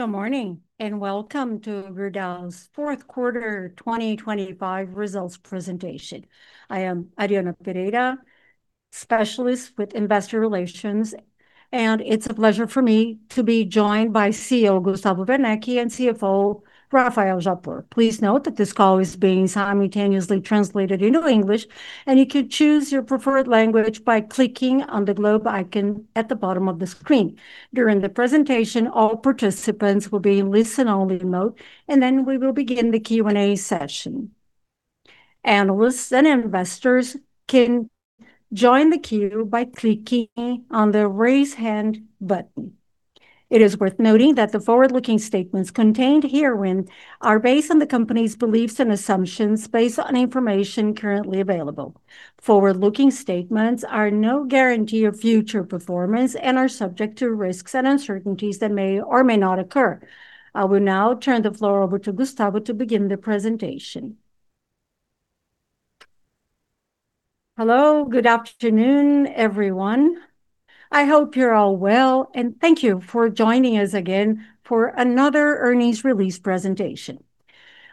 Good morning, and welcome to Gerdau's Fourth Quarter 2025 Results Presentation. I am Ariana Pereira, specialist with investor relations, and it's a pleasure for me to be joined by CEO Gustavo Werneck and CFO Rafael Japur. Please note that this call is being simultaneously translated into English, and you can choose your preferred language by clicking on the globe icon at the bottom of the screen. During the presentation, all participants will be in listen-only mode, and then we will begin the Q&A session. Analysts and investors can join the queue by clicking on the Raise Hand button. It is worth noting that the forward-looking statements contained herein are based on the company's beliefs and assumptions, based on information currently available. Forward-looking statements are no guarantee of future performance and are subject to risks and uncertainties that may or may not occur. I will now turn the floor over to Gustavo to begin the presentation. Hello, good afternoon, everyone. I hope you're all well, and thank you for joining us again for another earnings release presentation.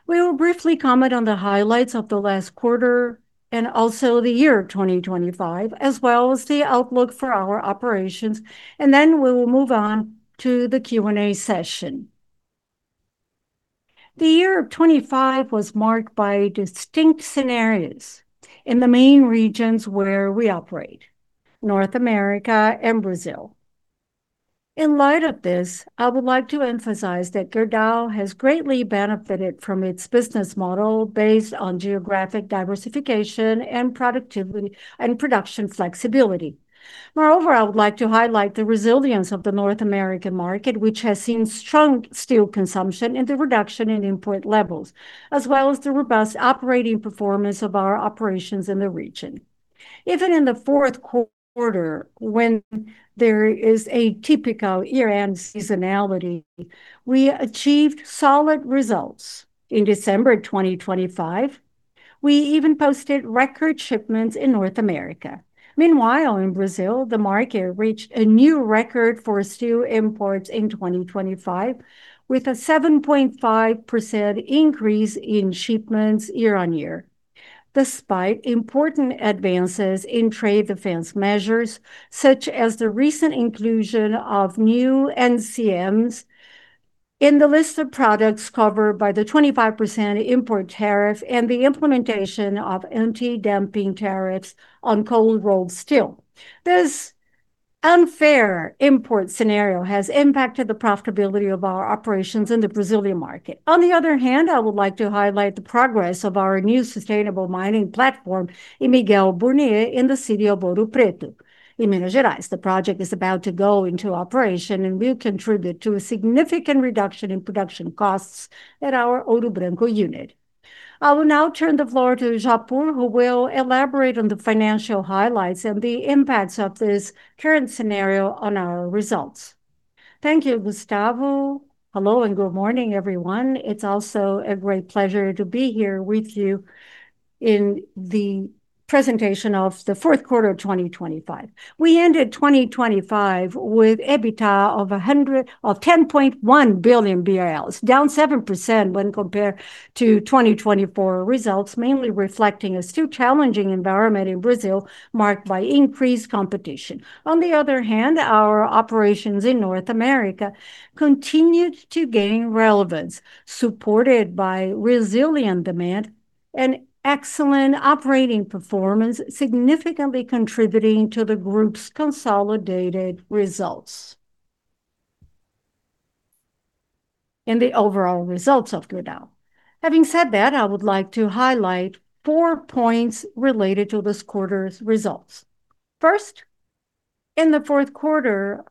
We will briefly comment on the highlights of the last quarter and also the year 2025, as well as the outlook for our operations, and then we will move on to the Q&A session. The year of 2025 was marked by distinct scenarios in the main regions where we operate, North America and Brazil. In light of this, I would like to emphasize that Gerdau has greatly benefited from its business model based on geographic diversification and productivity and production flexibility. Moreover, I would like to highlight the resilience of the North American market, which has seen strong steel consumption and the reduction in import levels, as well as the robust operating performance of our operations in the region. Even in the fourth quarter, when there is a typical year-end seasonality, we achieved solid results. In December 2025, we even posted record shipments in North America. Meanwhile, in Brazil, the market reached a new record for steel imports in 2025, with a 7.5% increase in shipments year-on-year. Despite important advances in trade defense measures, such as the recent inclusion of new NCMs in the list of products covered by the 25% import tariff and the implementation of anti-dumping tariffs on cold-rolled steel, this unfair import scenario has impacted the profitability of our operations in the Brazilian market. On the other hand, I would like to highlight the progress of our new sustainable mining platform in Miguel Burnier, in the city of Ouro Preto, in Minas Gerais. The project is about to go into operation and will contribute to a significant reduction in production costs at our Ouro Branco unit. I will now turn the floor to Japur, who will elaborate on the financial highlights and the impacts of this current scenario on our results. Thank you, Gustavo. Hello, good morning, everyone. It's also a great pleasure to be here with you in the presentation of the fourth quarter of 2025. We ended 2025 with EBITDA of 10.1 billion BRL, down 7% when compared to 2024 results, mainly reflecting a still challenging environment in Brazil, marked by increased competition. On the other hand, our operations in North America continued to gain relevance, supported by resilient demand and excellent operating performance, significantly contributing to the group's consolidated results, in the overall results of Gerdau. Having said that, I would like to highlight four points related to this quarter's results. First, in the fourth quarter,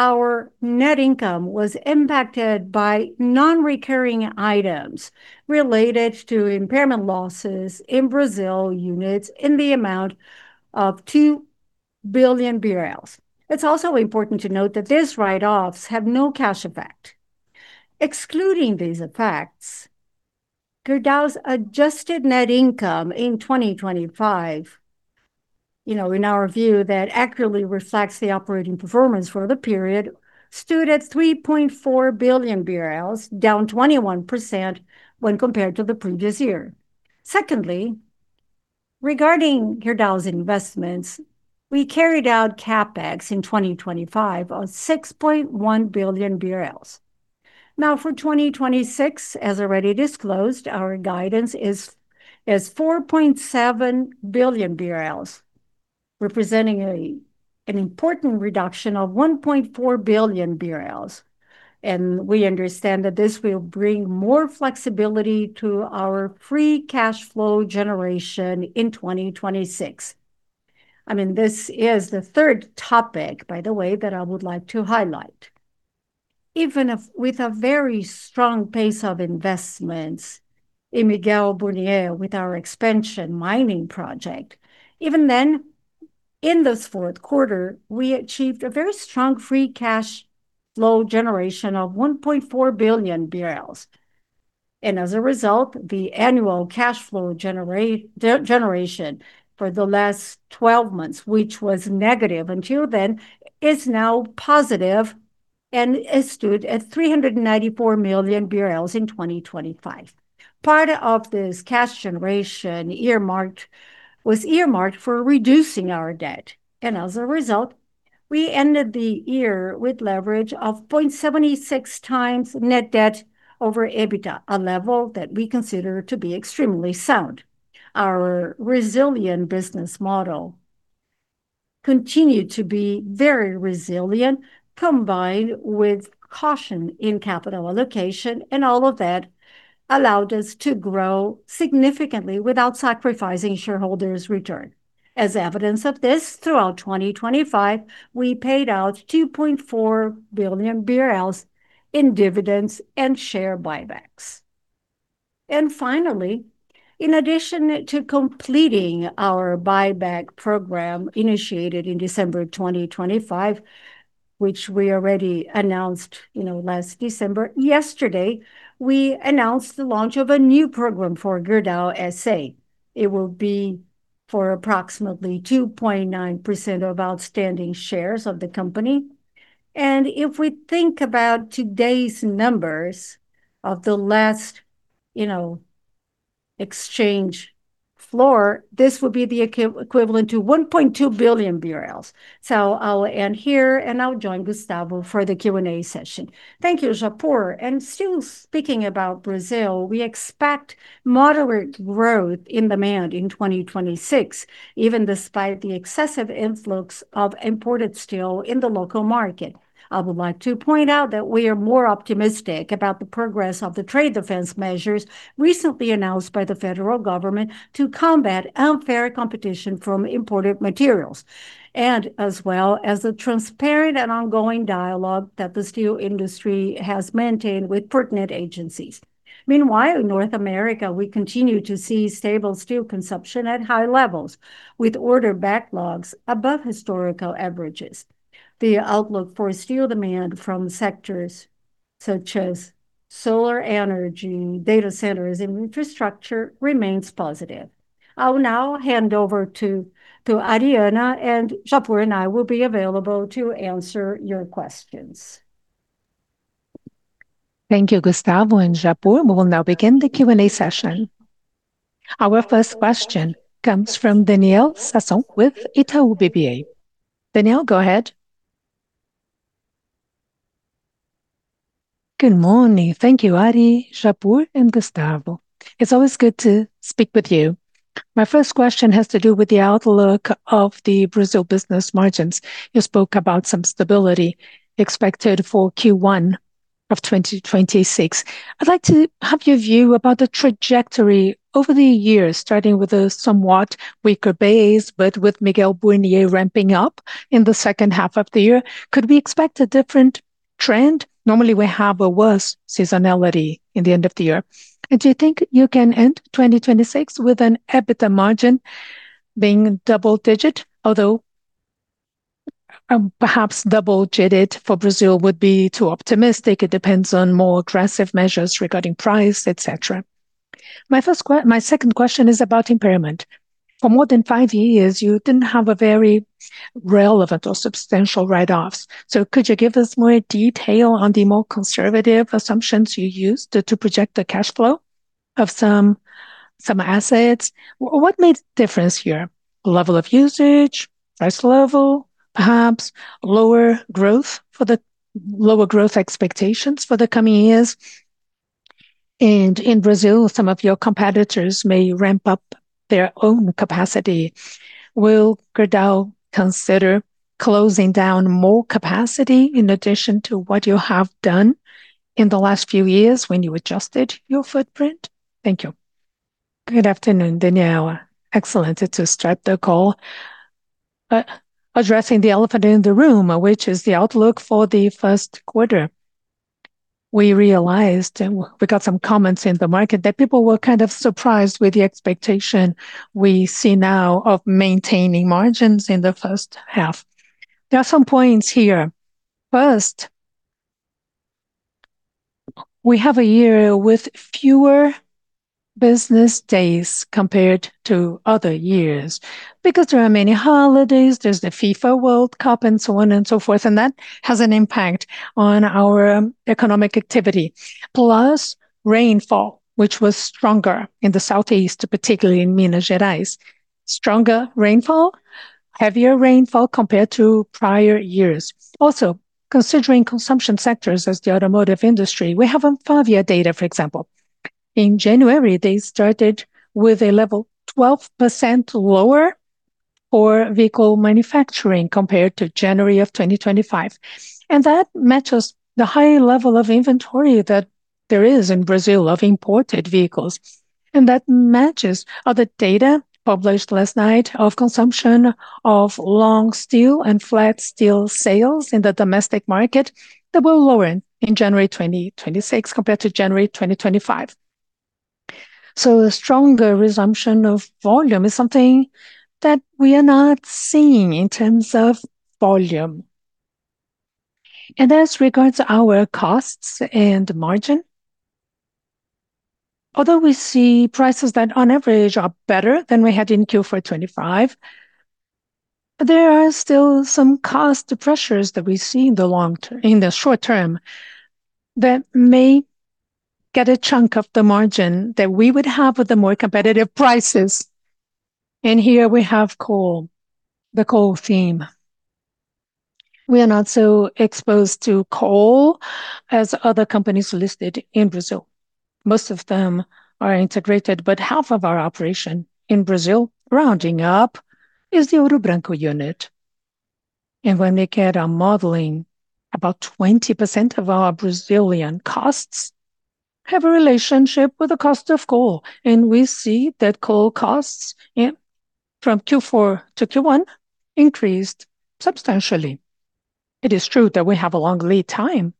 our net income was impacted by non-recurring items related to impairment losses in Brazil units in the amount of 2 billion BRL. It's also important to note that these write-offs have no cash effect. Excluding these effects, Gerdau's adjusted net income in 2025, you know, in our view, that accurately reflects the operating performance for the period, stood at 3.4 billion BRL, down 21% when compared to the previous year. Secondly, regarding Gerdau's investments, we carried out CapEx in 2025 of 6.1 billion BRL. For 2026, as already disclosed, our guidance is 4.7 billion BRL, representing an important reduction of 1.4 billion BRL. We understand that this will bring more flexibility to our free cash flow generation in 2026. I mean, this is the third topic, by the way, that I would like to highlight. Even if with a very strong pace of investments in Miguel Burnier, with our expansion mining project, even then, in this fourth quarter, we achieved a very strong free cash flow generation of 1.4 billion BRL. As a result, the annual cash flow generation for the last 12 months, which was negative until then, is now positive, and it stood at 394 million in 2025. Part of this cash generation earmarked for reducing our debt, as a result, we ended the year with leverage of 0.76x net debt over EBITDA, a level that we consider to be extremely sound. Our resilient business model continued to be very resilient, combined with caution in capital allocation, all of that allowed us to grow significantly without sacrificing shareholders' return. As evidence of this, throughout 2025, we paid out 2.4 billion BRL in dividends and share buybacks. Finally, in addition to completing our buyback program initiated in December of 2025, which we already announced, you know, last December, yesterday we announced the launch of a new program for Gerdau S.A. It will be for approximately 2.9% of outstanding shares of the company. If we think about today's numbers of the last, you know, exchange floor, this would be the equivalent to 1.2 billion BRL. I'll end here, and I'll join Gustavo for the Q&A session. Thank you, Japur. Still speaking about Brazil, we expect moderate growth in demand in 2026, even despite the excessive influx of imported steel in the local market. I would like to point out that we are more optimistic about the progress of the trade defense measures recently announced by the federal government to combat unfair competition from imported materials, and as well as a transparent and ongoing dialogue that the steel industry has maintained with pertinent agencies. Meanwhile, in North America, we continue to see stable steel consumption at high levels, with order backlogs above historical averages. The outlook for steel demand from sectors such as solar energy, data centers, and infrastructure remains positive. I will now hand over to Ariana, and Japur and I will be available to answer your questions. Thank you, Gustavo and Japur. We will now begin the Q&A session. Our first question comes from Daniel Sasson with Itaú BBA. Daniel, go ahead. Good morning. Thank you, Ari, Japur, and Gustavo. It's always good to speak with you. My first question has to do with the outlook of the Brazil business margins. You spoke about some stability expected for Q1 of 2026. I'd like to have your view about the trajectory over the years, starting with a somewhat weaker base, but with Miguel Burnier ramping up in the second half of the year. Could we expect a different trend? Normally, we have a worse seasonality in the end of the year. Do you think you can end 2026 with an EBITDA margin being double digit? Although, perhaps double digit for Brazil would be too optimistic. It depends on more aggressive measures regarding price, et cetera. My second question is about impairment. For more than five years, you didn't have a very relevant or substantial write-offs, so could you give us more detail on the more conservative assumptions you used to project the cash flow of some assets? What made the difference here? Level of usage, price level, perhaps lower growth expectations for the coming years? In Brazil, some of your competitors may ramp up their own capacity. Will Gerdau consider closing down more capacity in addition to what you have done in the last few years when you adjusted your footprint? Thank you. Good afternoon, Daniel. Excellent to start the call. Addressing the elephant in the room, which is the outlook for the first quarter, we realized, and we got some comments in the market, that people were kind of surprised with the expectation we see now of maintaining margins in the first half. There are some points here. First, we have a year with fewer business days compared to other years because there are many holidays, there's the FIFA World Cup, and so on and so forth, and that has an impact on our economic activity. Plus, rainfall, which was stronger in the southeast, particularly in Minas Gerais. Stronger rainfall, heavier rainfall compared to prior years. Also, considering consumption sectors as the automotive industry, we have ANFAVEA data, for example. In January, they started with a level 12% lower for vehicle manufacturing compared to January of 2025. That matches the high level of inventory that there is in Brazil of imported vehicles. That matches other data published last night of consumption of long steel and flat steel sales in the domestic market that were lower in January 2026 compared to January 2025. A stronger resumption of volume is something that we are not seeing in terms of volume. As regards to our costs and margin, although we see prices that on average are better than we had in Q4 2025, there are still some cost pressures that we see in the long term, in the short term, that may get a chunk of the margin that we would have with the more competitive prices. Here we have coal, the coal theme. We are not so exposed to coal as other companies listed in Brazil. Most of them are integrated, but half of our operation in Brazil, rounding up, is the Ouro Branco unit. When we get our modeling, about 20% of our Brazilian costs have a relationship with the cost of coal, and we see that coal costs in from Q4 to Q1 increased substantially. It is true that we have a long lead time,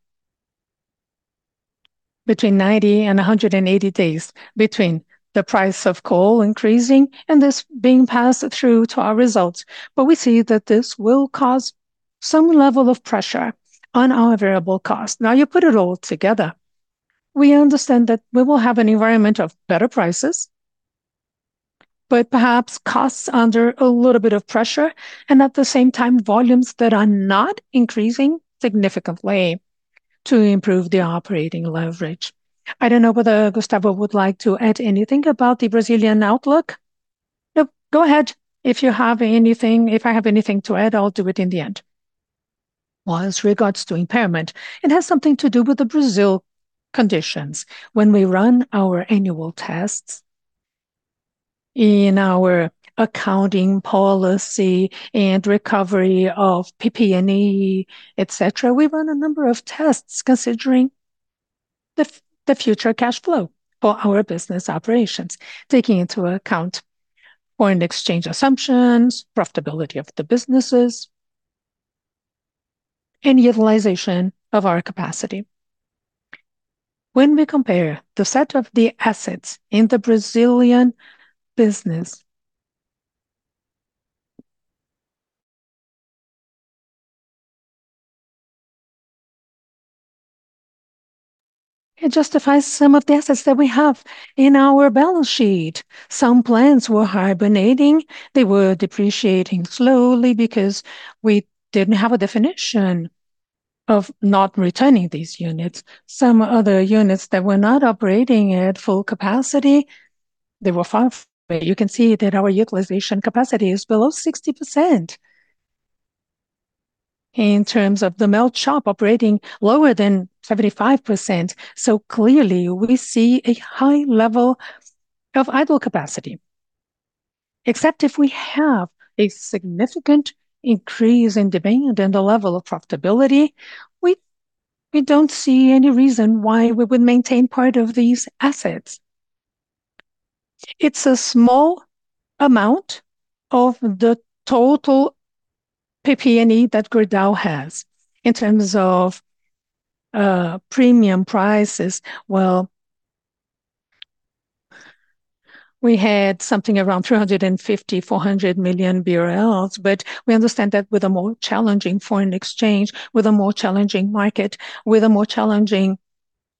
between 90 and 180 days between the price of coal increasing and this being passed through to our results. We see that this will cause some level of pressure on our variable cost. You put it all together, we understand that we will have an environment of better prices, but perhaps costs under a little bit of pressure, and at the same time, volumes that are not increasing significantly to improve the operating leverage. I don't know whether Gustavo would like to add anything about the Brazilian outlook. Go ahead. If I have anything to add, I'll do it in the end. As regards to impairment, it has something to do with the Brazil conditions. When we run our annual tests in our accounting policy and recovery of PP&E, et cetera, we run a number of tests considering the future cash flow for our business operations, taking into account foreign exchange assumptions, profitability of the businesses, and utilization of our capacity. When we compare the set of the assets in the Brazilian business, it justifies some of the assets that we have in our balance sheet. Some plants were hibernating. They were depreciating slowly because we didn't have a definition of not returning these units. Some other units that were not operating at full capacity, they were far from it. You can see that our utilization capacity is below 60%. In terms of the melt shop, operating lower than 75%, so clearly we see a high level of idle capacity. Except if we have a significant increase in demand and the level of profitability, we don't see any reason why we would maintain part of these assets. It's a small amount of the total PP&E that Gerdau has. In terms of premium prices, well, we had something around 350 million BRL-400 million BRL, but we understand that with a more challenging foreign exchange, with a more challenging market, with a more challenging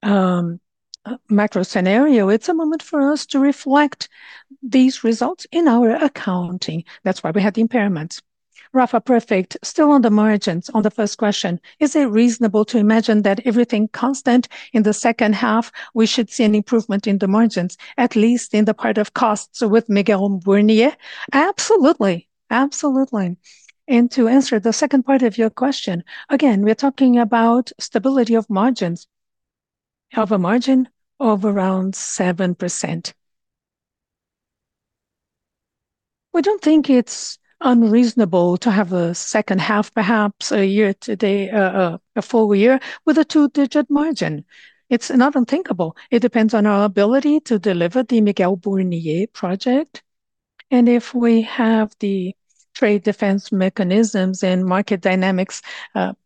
macro scenario, it's a moment for us to reflect these results in our accounting. That's why we had the impairment. Rafa, perfect. Still on the margins, on the first question, is it reasonable to imagine that everything constant in the second half, we should see an improvement in the margins, at least in the part of costs with Miguel Burnier? Absolutely. To answer the second part of your question, again, we're talking about stability of margins. Have a margin of around 7%. We don't think it's unreasonable to have a second half, perhaps a year today, a full year with a two-digit margin. It's not unthinkable. It depends on our ability to deliver the Miguel Burnier project, and if we have the trade defense mechanisms and market dynamics,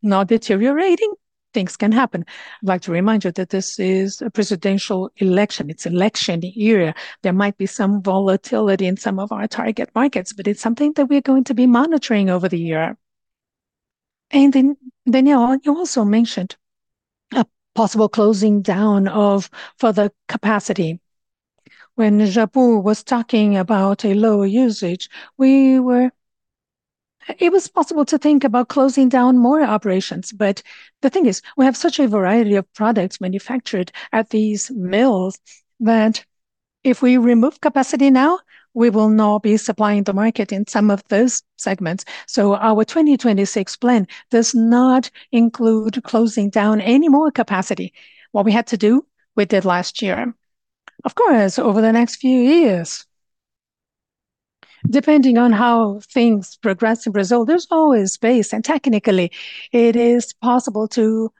not deteriorating, things can happen. I'd like to remind you that this is a presidential election. It's election year. There might be some volatility in some of our target markets, but it's something that we're going to be monitoring over the year. Daniel, you also mentioned a possible closing down of further capacity. When Japur was talking about a lower usage, it was possible to think about closing down more operations, but the thing is, we have such a variety of products manufactured at these mills, that if we remove capacity now, we will not be supplying the market in some of those segments. Our 2026 plan does not include closing down any more capacity. What we had to do, we did last year. Of course, over the next few years, depending on how things progress in Brazil, there's always space, and technically it is possible to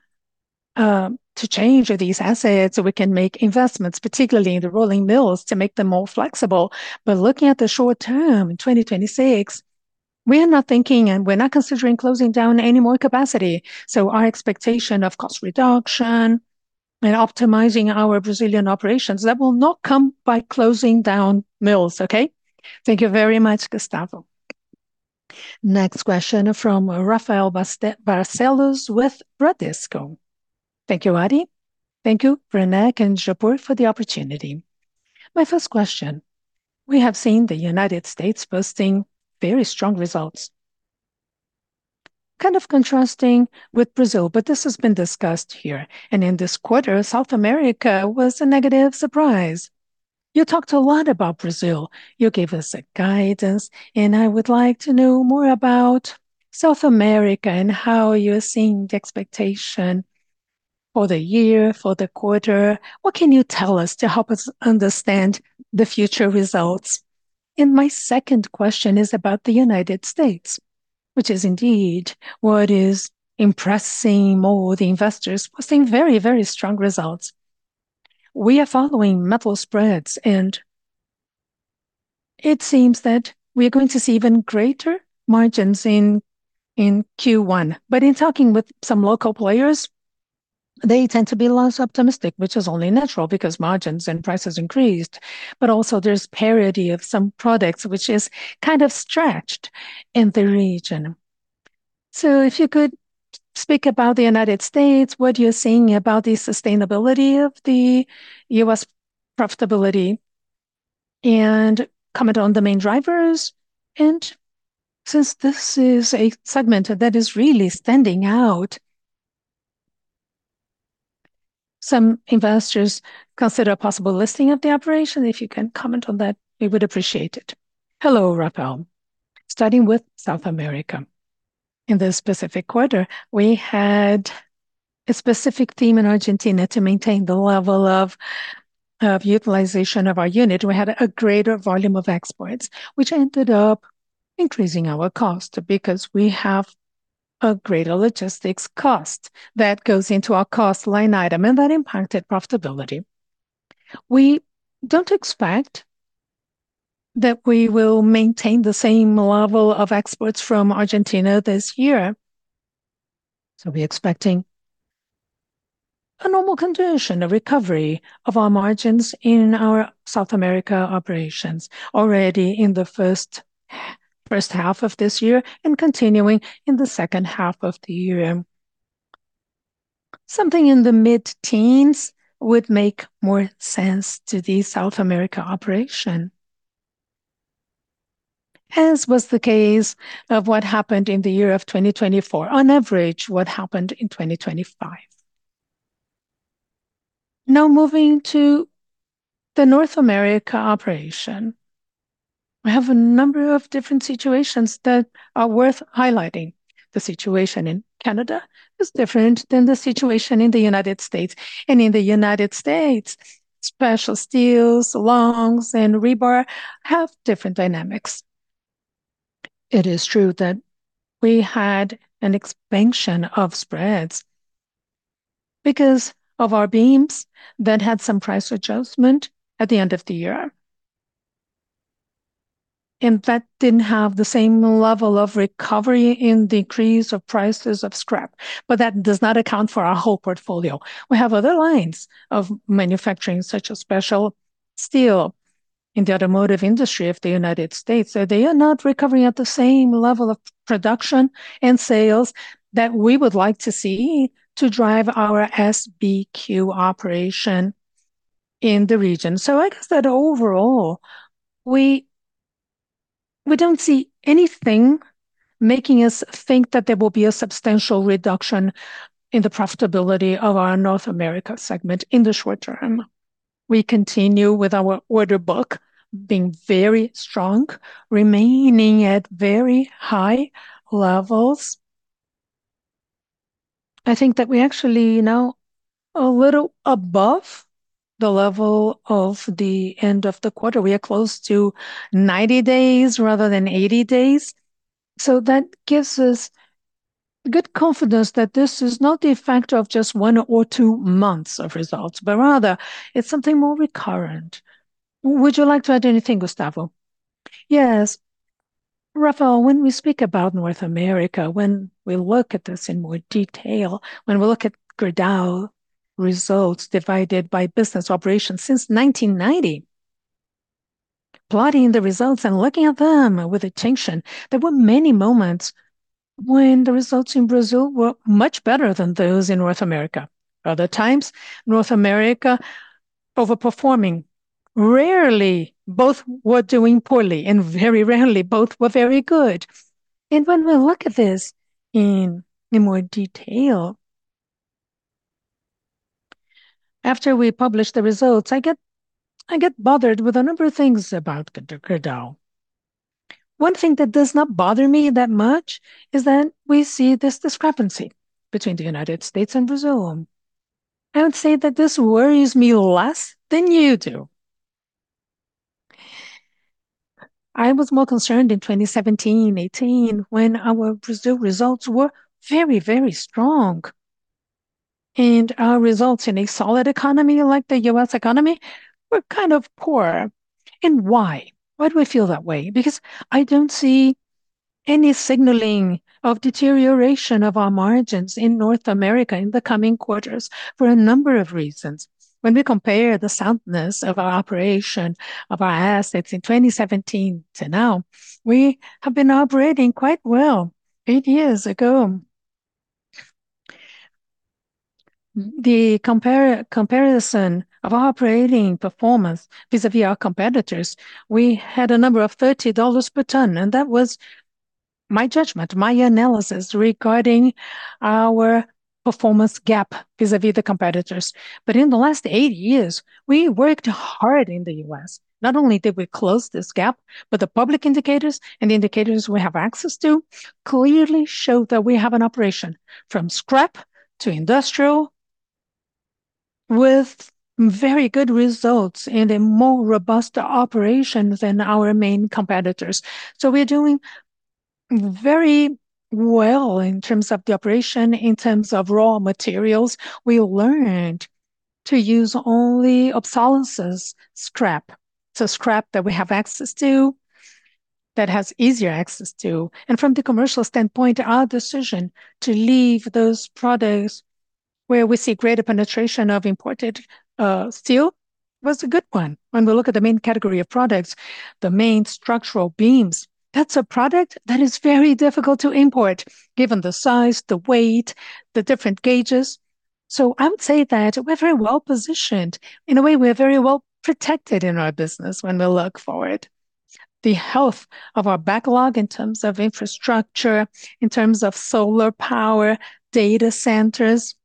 change these assets, so we can make investments, particularly in the rolling mills, to make them more flexible. Looking at the short term, in 2026, we are not thinking and we're not considering closing down any more capacity, so our expectation of cost reduction. Optimizing our Brazilian operations, that will not come by closing down mills, okay? Thank you very much, Gustavo. Next question from Rafael Bastos Bezerra with Bradesco. Thank you, Ari. Thank you, Werneck and Japur, for the opportunity. My first question: we have seen the United States boasting very strong results, kind of contrasting with Brazil. This has been discussed here. In this quarter, South America was a negative surprise. You talked a lot about Brazil. You gave us a guidance. I would like to know more about South America and how you're seeing the expectation for the year, for the quarter. What can you tell us to help us understand the future results? My second question is about the United States, which is indeed what is impressing more the investors, boasting very strong results. We are following metal spreads, and it seems that we're going to see even greater margins in Q1. In talking with some local players, they tend to be less optimistic, which is only natural, because margins and prices increased. Also there's parity of some products, which is kind of stretched in the region. If you could speak about the United States, what you're seeing about the sustainability of the U.S. profitability, and comment on the main drivers. Since this is a segment that is really standing out, some investors consider a possible listing of the operation. If you can comment on that, we would appreciate it. Hello, Rafael. Starting with South America, in this specific quarter, we had a specific theme in Argentina to maintain the level of utilization of our unit. We had a greater volume of exports, which ended up increasing our cost, because we have a greater logistics cost that goes into our cost line item, and that impacted profitability. We don't expect that we will maintain the same level of exports from Argentina this year. We're expecting a normal condition, a recovery of our margins in our South America operations already in the first half of this year and continuing in the second half of the year. Something in the mid-teens would make more sense to the South America operation, as was the case of what happened in the year of 2024, on average, what happened in 2025. Moving to the North America operation, we have a number of different situations that are worth highlighting. The situation in Canada is different than the situation in the United States. In the United States, special steels, longs, and rebar have different dynamics. It is true that we had an expansion of spreads because of our beams that had some price adjustment at the end of the year, and that didn't have the same level of recovery in decrease of prices of scrap. That does not account for our whole portfolio. We have other lines of manufacturing, such as special steel in the automotive industry of the United States. They are not recovering at the same level of production and sales that we would like to see to drive our SBQ operation in the region. I guess that overall, we don't see anything making us think that there will be a substantial reduction in the profitability of our North America segment in the short term. We continue with our order book being very strong, remaining at very high levels. I think that we're actually now a little above the level of the end of the quarter. We are close to 90 days rather than 80 days, that gives us good confidence that this is not the effect of just one or two months of results, but rather it's something more recurrent. Would you like to add anything, Gustavo? Yes. Rafael, when we speak about North America, when we look at this in more detail, when we look at Gerdau results divided by business operations since 1990, plotting the results and looking at them with attention, there were many moments when the results in Brazil were much better than those in North America. Other times, North America overperforming. Rarely both were doing poorly, very rarely both were very good. When we look at this in more detail, after we publish the results, I get bothered with a number of things about Gerdau. One thing that does not bother me that much is that we see this discrepancy between the United States and Brazil. I would say that this worries me less than you do. I was more concerned in 2017, 2018, when our Brazil results were very strong, and our results in a solid economy, like the U.S. economy, were kind of poor. Why? Why do I feel that way? Because I don't see any signaling of deterioration of our margins in North America in the coming quarters for a number of reasons. When we compare the soundness of our operation, of our assets in 2017 to now, we have been operating quite well eight years ago. The comparison of our operating performance vis-à-vis our competitors, we had a number of $30 per ton. That was my judgment, my analysis regarding our performance gap vis-à-vis the competitors. In the last eight years, we worked hard in the U.S. Not only did we close this gap, but the public indicators and the indicators we have access to clearly show that we have an operation from scrap to industrial, with very good results and a more robust operation than our main competitors. We're doing very well in terms of the operation, in terms of raw materials. We learned to use only obsolescence scrap that we have access to, that has easier access to. From the commercial standpoint, our decision to leave those products where we see greater penetration of imported steel was a good one. When we look at the main category of products, the main structural beams, that's a product that is very difficult to import, given the size, the weight, the different gauges. I would say that we're very well-positioned. In a way, we're very well-protected in our business when we look forward. The health of our backlog in terms of infrastructure, in terms of solar power, data centers,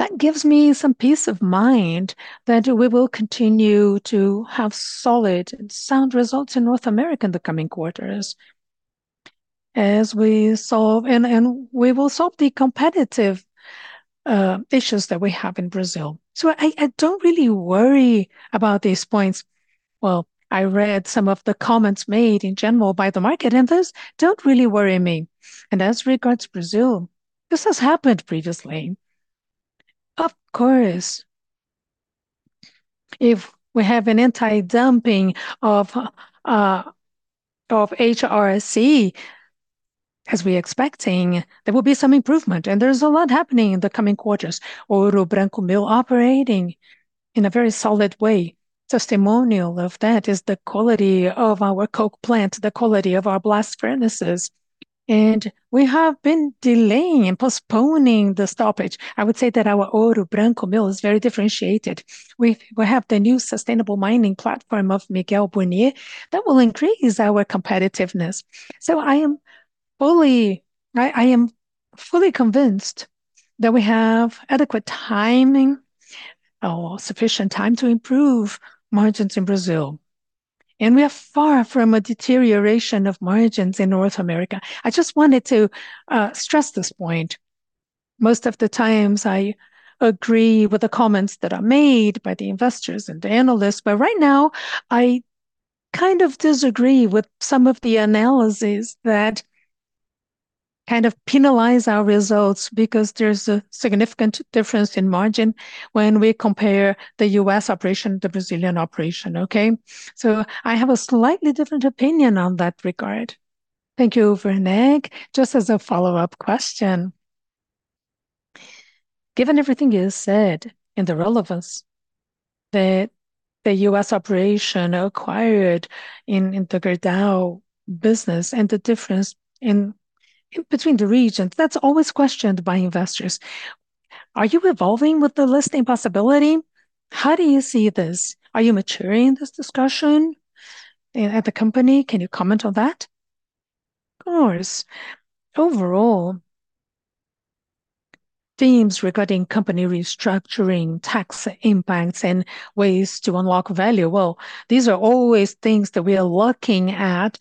that gives me some peace of mind that we will continue to have solid and sound results in North America in the coming quarters as we solve, and we will solve the competitive issues that we have in Brazil. I don't really worry about these points. Well, I read some of the comments made in general by the market, and those don't really worry me. As regards Brazil, this has happened previously. Of course, if we have an anti-dumping of HRC, as we're expecting, there will be some improvement. There's a lot happening in the coming quarters. Ouro Branco mill operating in a very solid way. Testimonial of that is the quality of our coke plant, the quality of our blast furnaces. We have been delaying and postponing the stoppage. I would say that our Ouro Branco mill is very differentiated. We have the new sustainable mining platform of Miguel Burnier that will increase our competitiveness. I am fully convinced that we have adequate timing or sufficient time to improve margins in Brazil. We are far from a deterioration of margins in North America. I just wanted to stress this point. Most of the times, I agree with the comments that are made by the investors and the analysts, but right now, I kind of disagree with some of the analysis that kind of penalize our results, because there's a significant difference in margin when we compare the U.S. operation to the Brazilian operation, okay? I have a slightly different opinion on that regard. Thank you, Werneck. Just as a follow-up question, given everything you said and the relevance that the U.S. operation acquired in the Gerdau business, and the difference in, between the regions, that's always questioned by investors. Are you evolving with the listing possibility? How do you see this? Are you maturing this discussion at the company? Can you comment on that? Of course. Overall, themes regarding company restructuring, tax impacts, and ways to unlock value, well, these are always things that we are looking at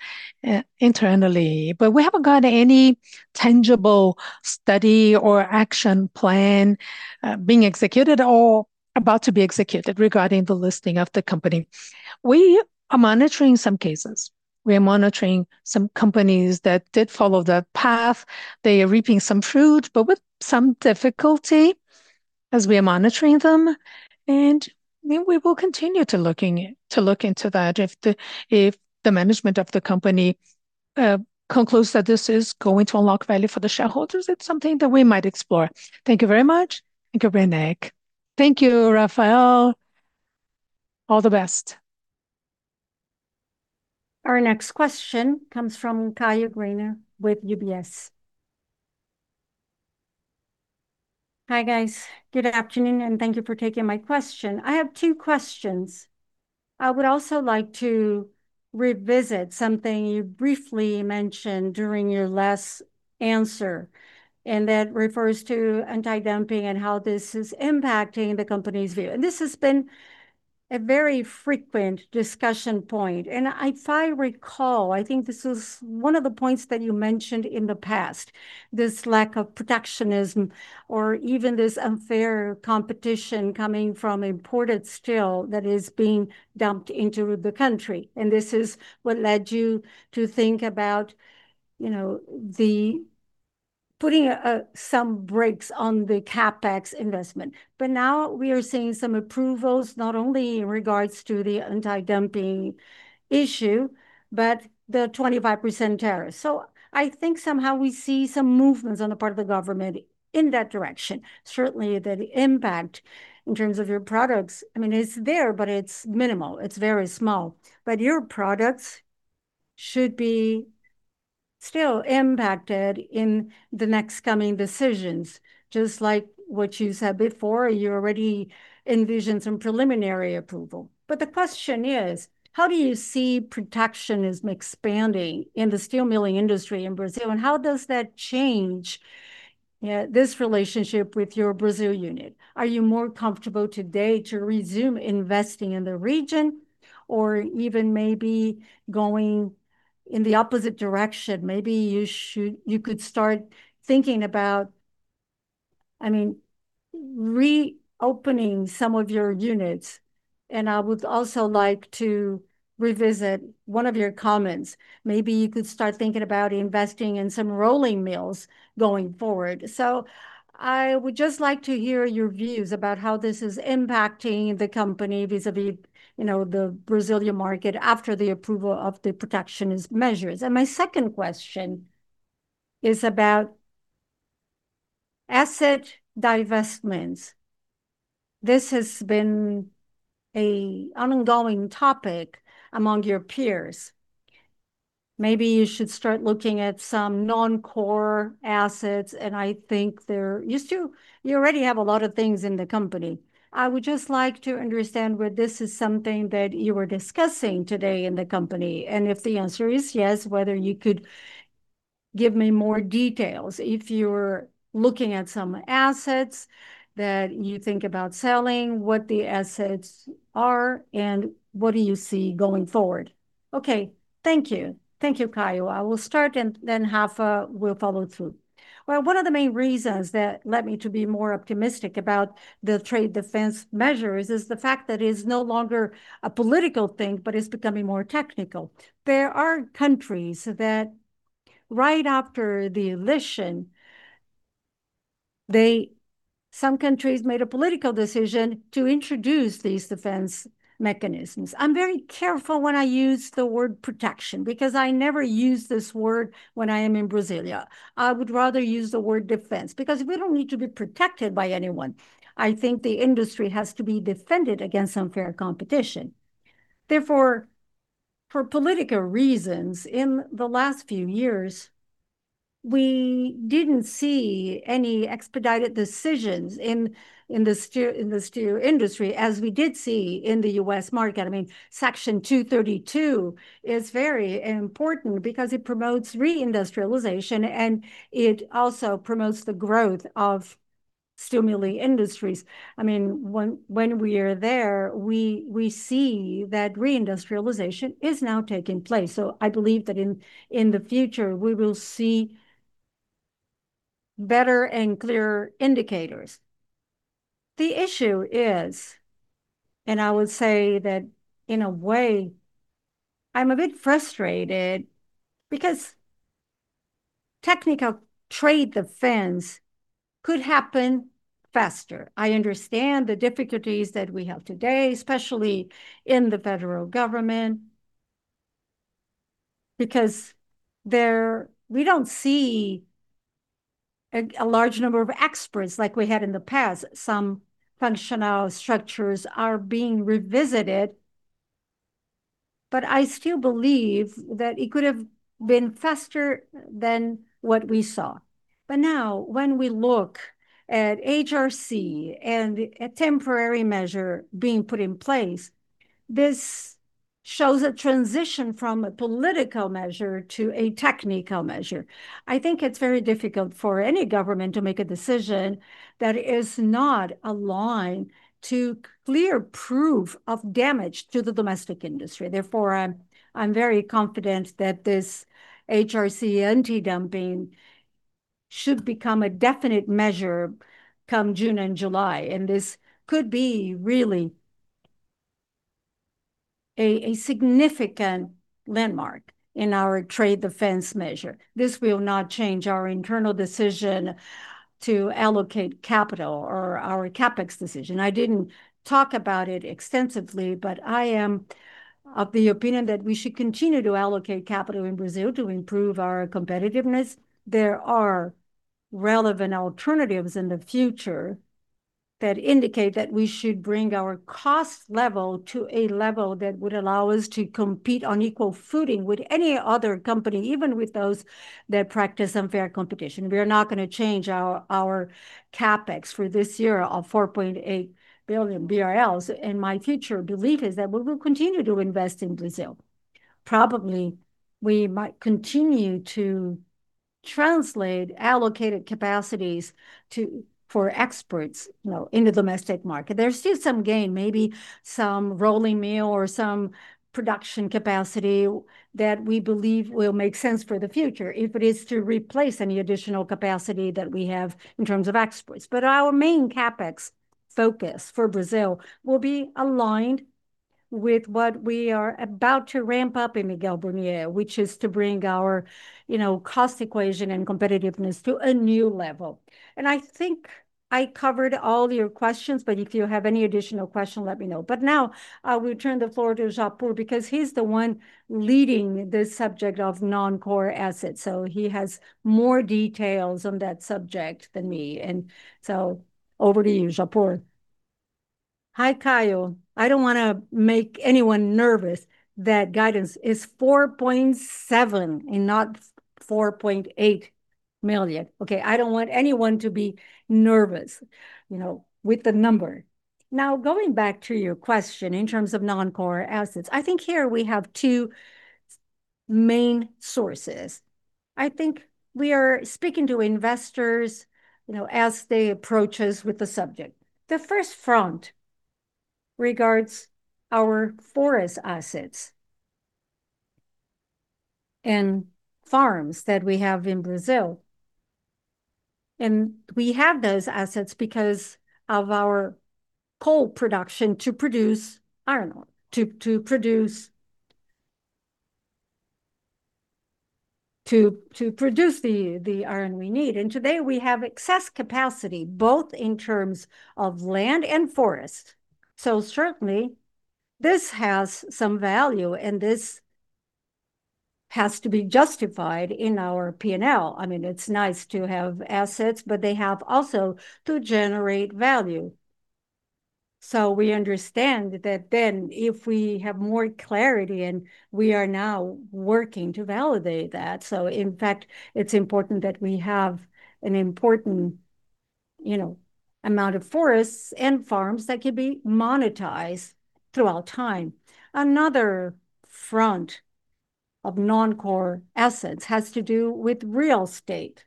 internally. We haven't got any tangible study or action plan being executed or about to be executed regarding the listing of the company. We are monitoring some cases. We are monitoring some companies that did follow that path. They are reaping some fruit, but with some difficulty, as we are monitoring them, we will continue to look into that. If the management of the company concludes that this is going to unlock value for the shareholders, it's something that we might explore. Thank you very much. Thank you, Werneck. Thank you, Rafael. All the best. Our next question comes from Caio Greiner with UBS. Hi, guys. Good afternoon, and thank you for taking my question. I have two questions. I would also like to revisit something you briefly mentioned during your last answer, and that refers to anti-dumping and how this is impacting the company's view. This has been a very frequent discussion point, and if I recall, I think this is one of the points that you mentioned in the past, this lack of protectionism or even this unfair competition coming from imported steel that is being dumped into the country, and this is what led you to think about, you know, putting some brakes on the CapEx investment. Now we are seeing some approvals, not only in regards to the anti-dumping issue, but the 25% tariff. I think somehow we see some movements on the part of the government in that direction. Certainly, the impact in terms of your products, I mean, it's there, but it's minimal. It's very small. Your products should be still impacted in the next coming decisions, just like what you said before, you already envisioned some preliminary approval. The question is: how do you see protectionism expanding in the steel milling industry in Brazil, and how does that change this relationship with your Brazil unit? Are you more comfortable today to resume investing in the region or even maybe going in the opposite direction? Maybe you could start thinking about, I mean, reopening some of your units. I would also like to revisit one of your comments. Maybe you could start thinking about investing in some rolling mills going forward. I would just like to hear your views about how this is impacting the company vis-à-vis, you know, the Brazilian market after the approval of the protectionist measures. My second question is about asset divestments. This has been a ongoing topic among your peers. Maybe you should start looking at some non-core assets, and I think there. You still, you already have a lot of things in the company. I would just like to understand whether this is something that you were discussing today in the company, and if the answer is yes, whether you could give me more details. If you're looking at some assets that you think about selling, what the assets are, and what do you see going forward? Okay. Thank you. Thank you, Caio. I will start, and then Rafa will follow through. One of the main reasons that led me to be more optimistic about the trade defense measures is the fact that it's no longer a political thing, but it's becoming more technical. Some countries made a political decision to introduce these defense mechanisms. I'm very careful when I use the word protection, because I never use this word when I am in Brasília. I would rather use the word defense, because we don't need to be protected by anyone. I think the industry has to be defended against unfair competition. For political reasons, in the last few years, we didn't see any expedited decisions in the steel industry, as we did see in the U.S. market. I mean, Section 232 is very important because it promotes re-industrialization, and it also promotes the growth of steel milling industries. I mean, when we are there, we see that re-industrialization is now taking place. I believe that in the future, we will see better and clearer indicators. The issue is, and I would say that in a way, I'm a bit frustrated because technical trade defense could happen faster. I understand the difficulties that we have today, especially in the federal government, because there we don't see a large number of experts like we had in the past. Some functional structures are being revisited, but I still believe that it could have been faster than what we saw. Now, when we look at HRC and a temporary measure being put in place, this shows a transition from a political measure to a technical measure. I think it's very difficult for any government to make a decision that is not aligned to clear proof of damage to the domestic industry. I'm very confident that this HRC anti-dumping should become a definite measure come June and July, and this could be really a significant landmark in our trade defense measure. This will not change our internal decision to allocate capital or our CapEx decision. I didn't talk about it extensively, but I am of the opinion that we should continue to allocate capital in Brazil to improve our competitiveness. There are relevant alternatives in the future that indicate that we should bring our cost level to a level that would allow us to compete on equal footing with any other company, even with those that practice unfair competition. We are not gonna change our CapEx for this year of 4.8 billion BRL, and my future belief is that we will continue to invest in Brazil. Probably, we might continue to translate allocated capacities for exports, you know, in the domestic market. There's still some gain, maybe some rolling mill or some production capacity that we believe will make sense for the future if it is to replace any additional capacity that we have in terms of exports. Our main CapEx focus for Brazil will be aligned. with what we are about to ramp up in Miguel Burnier, which is to bring our, you know, cost equation and competitiveness to a new level. I think I covered all your questions, but if you have any additional question, let me know. Now, I will turn the floor to Japur, because he's the one leading the subject of non-core assets, so he has more details on that subject than me, over to you, Japur. Hi, Caio. I don't wanna make anyone nervous. That guidance is 4.7 and not 4.8 million, okay? I don't want anyone to be nervous, you know, with the number. Now, going back to your question in terms of non-core assets, I think here we have two main sources. I think we are speaking to investors, you know, as they approach us with the subject. The first front regards our forest assets and farms that we have in Brazil. We have those assets because of our coal production to produce iron ore, to produce the iron we need. Today we have excess capacity, both in terms of land and forest. Certainly this has some value, and this has to be justified in our P&L. I mean, it's nice to have assets, but they have also to generate value. We understand that then if we have more clarity, we are now working to validate that. In fact, it's important that we have an important, you know, amount of forests and farms that could be monetized throughout time. Another front of non-core assets has to do with real estate.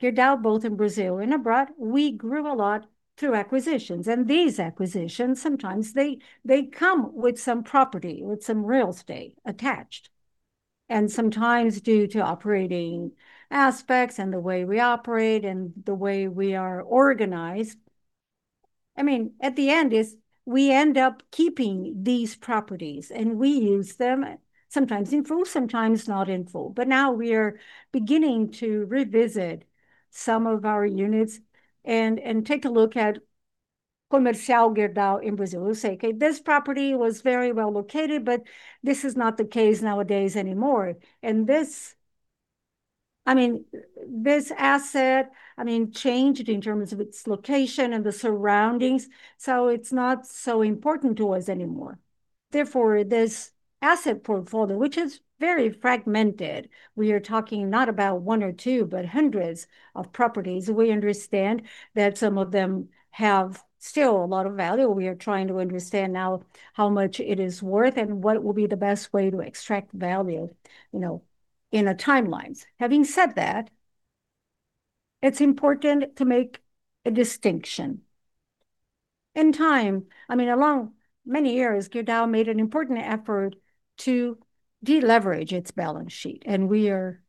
Gerdau, both in Brazil and abroad, we grew a lot through acquisitions, and these acquisitions, sometimes they come with some property, with some real estate attached. Sometimes due to operating aspects and the way we operate and the way we are organized, I mean, at the end is we end up keeping these properties, and we use them, sometimes in full, sometimes not in full. Now we are beginning to revisit some of our units and take a look at Comercial Gerdau in Brazil and say, "Okay, this property was very well located, but this is not the case nowadays anymore. This, I mean, this asset, I mean, changed in terms of its location and the surroundings, so it's not so important to us anymore." Therefore, this asset portfolio, which is very fragmented, we are talking not about one or two, but hundreds of properties. We understand that some of them have still a lot of value. We are trying to understand now how much it is worth and what will be the best way to extract value, you know, in the timelines. Having said that, it's important to make a distinction. In time, I mean, along many years, Gerdau made an important effort to deleverage its balance sheet, and we are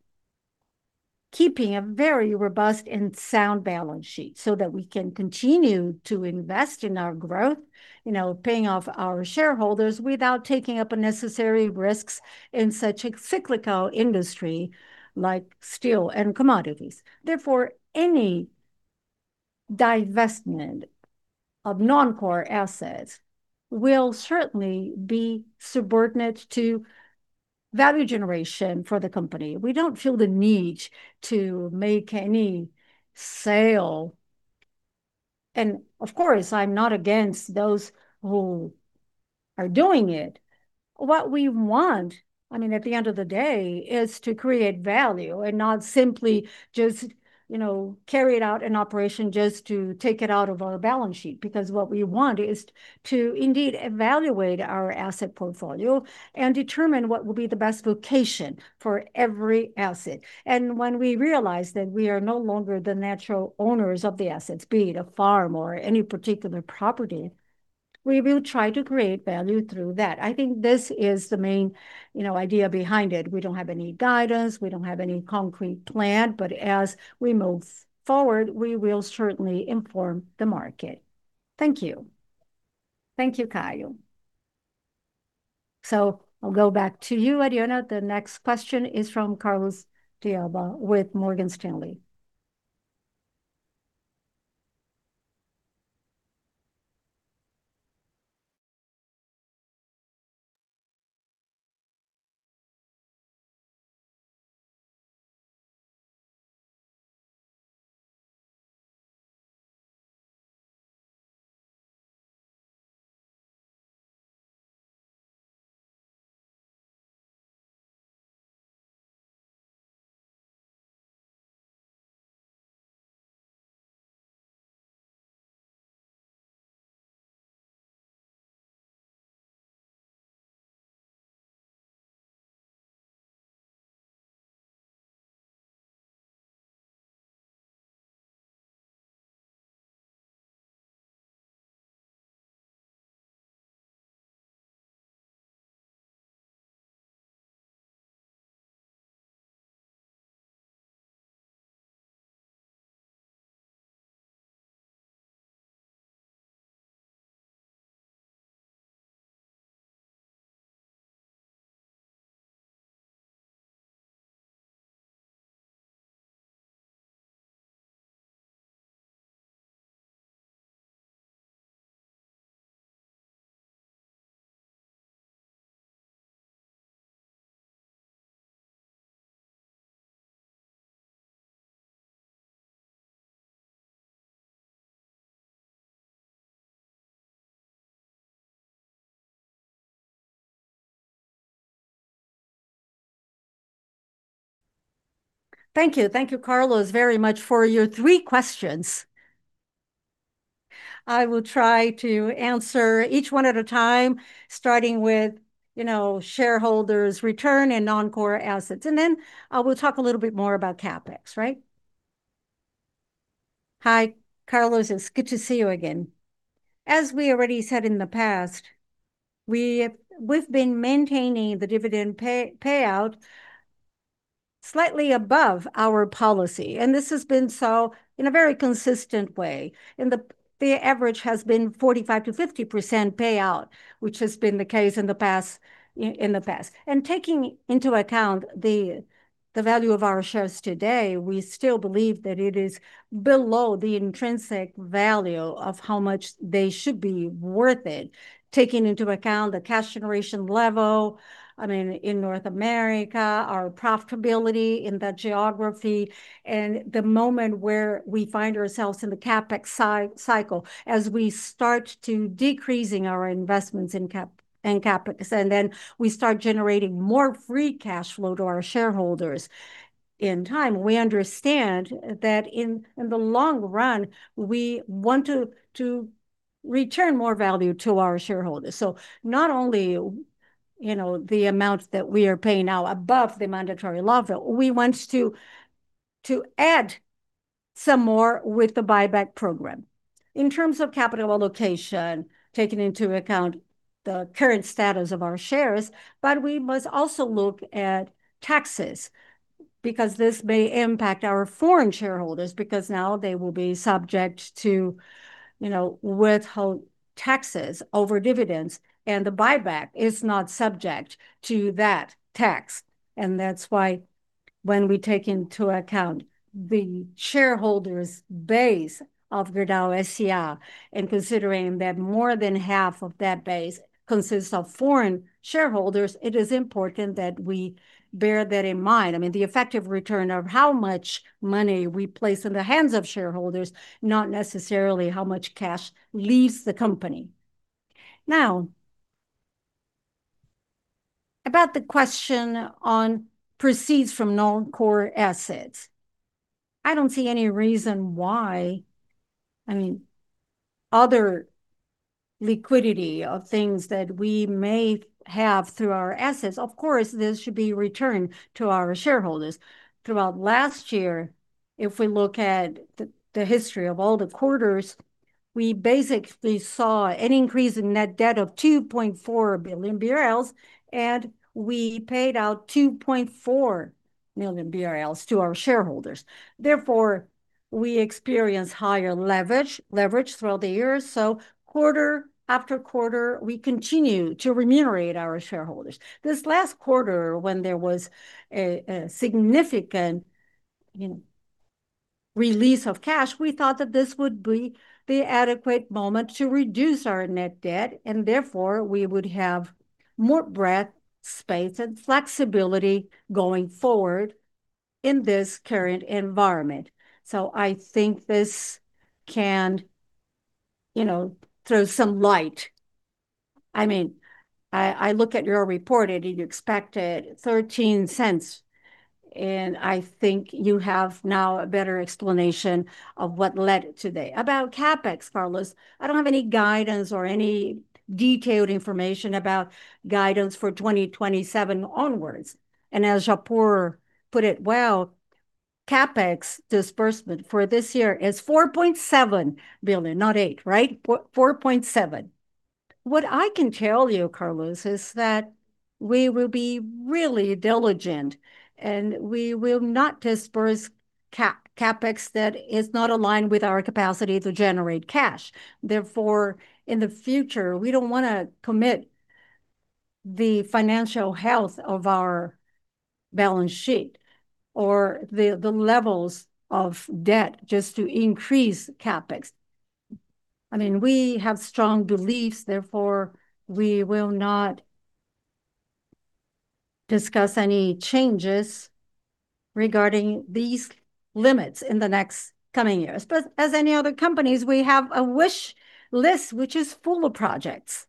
keeping a very robust and sound balance sheet so that we can continue to invest in our growth, you know, paying off our shareholders without taking up unnecessary risks in such a cyclical industry, like steel and commodities. Therefore, any divestment of non-core assets will certainly be subordinate to value generation for the company. We don't feel the need to make any sale. Of course, I'm not against those who are doing it. What we want, I mean, at the end of the day, is to create value and not simply just, you know, carry out an operation just to take it out of our balance sheet. What we want is to indeed evaluate our asset portfolio and determine what will be the best location for every asset. When we realize that we are no longer the natural owners of the assets, be it a farm or any particular property, we will try to create value through that. I think this is the main, you know, idea behind it. We don't have any guidance. We don't have any concrete plan, but as we move forward, we will certainly inform the market. Thank you. Thank you, Caio. I'll go back to you, Ariana. The next question is from Carlos de Alba with Morgan Stanley. Thank you. Thank you, Carlos, very much for your three questions. I will try to answer each one at a time, starting with, you know, shareholders' return and non-core assets. Then we'll talk a little bit more about CapEx, right? Hi, Carlos, it's good to see you again. As we already said in the past, we've been maintaining the dividend payout slightly above our policy. This has been so in a very consistent way, the average has been 45%-50% payout, which has been the case in the past. Taking into account the value of our shares today, we still believe that it is below the intrinsic value of how much they should be worth it, taking into account the cash generation level, I mean, in North America, our profitability in that geography, and the moment where we find ourselves in the CapEx cycle. We start to decreasing our investments in CapEx, then we start generating more free cash flow to our shareholders. In time, we understand that in the long run, we want to return more value to our shareholders. Not only, you know, the amount that we are paying now above the mandatory level, we want to add some more with the buyback program. In terms of capital allocation, taking into account the current status of our shares, we must also look at taxes, because this may impact our foreign shareholders, because now they will be subject to, you know, withhold taxes over dividends. The buyback is not subject to that tax. That's why when we take into account the shareholders' base of Gerdau S.A., and considering that more than half of that base consists of foreign shareholders, it is important that we bear that in mind. I mean, the effective return of how much money we place in the hands of shareholders, not necessarily how much cash leaves the company. Now, about the question on proceeds from non-core assets. I don't see any reason why. I mean, other liquidity of things that we may have through our assets, of course, this should be returned to our shareholders. Throughout last year, if we look at the history of all the quarters, we basically saw an increase in net debt of 2.4 billion BRL. We paid out 2.4 million BRL to our shareholders. Therefore, we experienced higher leverage throughout the year. Quarter after quarter, we continue to remunerate our shareholders. This last quarter, when there was a significant, you know, release of cash, we thought that this would be the adequate moment to reduce our net debt. Therefore, we would have more breadth, space, and flexibility going forward in this current environment. I think this can, you know, throw some light. I mean, I look at your report. You expected 0.13. I think you have now a better explanation of what led today. About CapEx, Carlos, I don't have any guidance or any detailed information about guidance for 2027 onwards, and as Japur put it well, CapEx disbursement for this year is 4.7 billion, not 8, right? 4.7. What I can tell you, Carlos, is that we will be really diligent, and we will not disburse CapEx that is not aligned with our capacity to generate cash. Therefore, in the future, we don't wanna commit the financial health of our balance sheet or the levels of debt just to increase CapEx. I mean, we have strong beliefs, therefore, we will not discuss any changes regarding these limits in the next coming years. As any other companies, we have a wish list which is full of projects.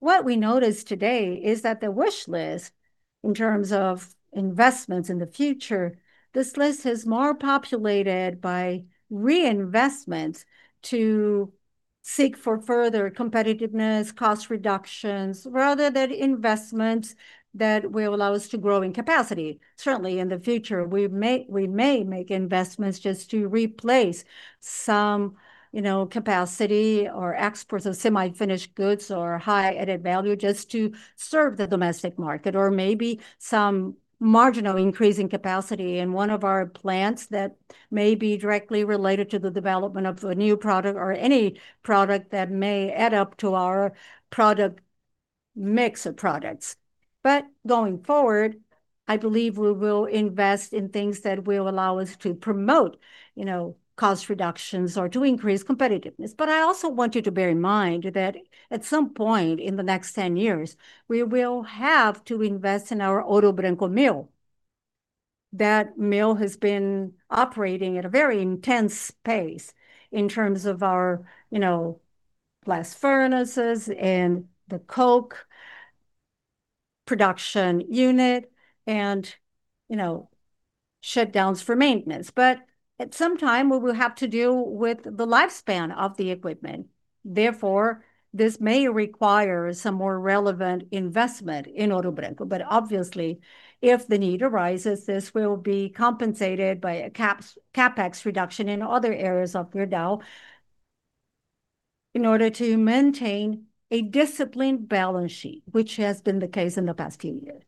What we notice today is that the wish list, in terms of investments in the future, this list is more populated by reinvestments to seek for further competitiveness, cost reductions, rather than investments that will allow us to grow in capacity. Certainly, in the future, we may make investments just to replace some, you know, capacity or exports of semi-finished goods or high added value just to serve the domestic market, or maybe some marginal increase in capacity in one of our plants that may be directly related to the development of a new product or any product that may add up to our mix of products. Going forward, I believe we will invest in things that will allow us to promote, you know, cost reductions or to increase competitiveness. I also want you to bear in mind that at some point in the next 10 years, we will have to invest in our Ouro Branco mill. That mill has been operating at a very intense pace in terms of our, you know, blast furnaces and the coke production unit and, you know, shutdowns for maintenance. At some time, we will have to deal with the lifespan of the equipment, therefore, this may require some more relevant investment in Ouro Branco. Obviously, if the need arises, this will be compensated by a CapEx reduction in other areas of Gerdau in order to maintain a disciplined balance sheet, which has been the case in the past few years.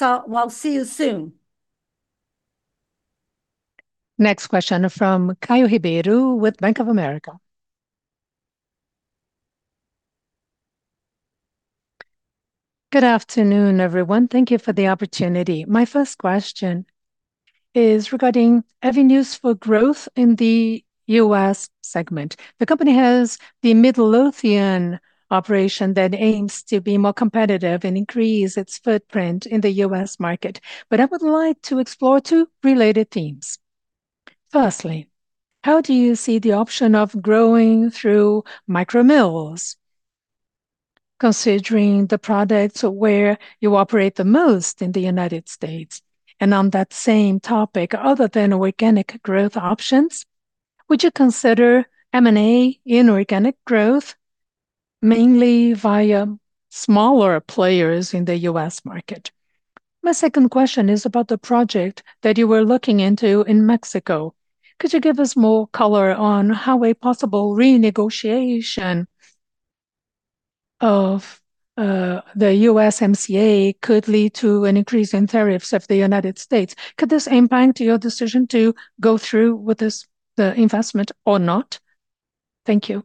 We'll see you soon. Next question from Caio Ribeiro with Bank of America. Good afternoon, everyone. Thank you for the opportunity. My first question is regarding avenues for growth in the U.S. segment. The company has the Midlothian operation that aims to be more competitive and increase its footprint in the U.S. market. I would like to explore two related themes. Firstly, how do you see the option of growing through micro-mills, considering the products where you operate the most in the United States? On that same topic, other than organic growth options, would you consider M&A inorganic growth, mainly via smaller players in the U.S. market? My second question is about the project that you were looking into in Mexico. Could you give us more color on how a possible renegotiation of the USMCA could lead to an increase in tariffs of the United States? Could this impact your decision to go through with this, the investment or not? Thank you.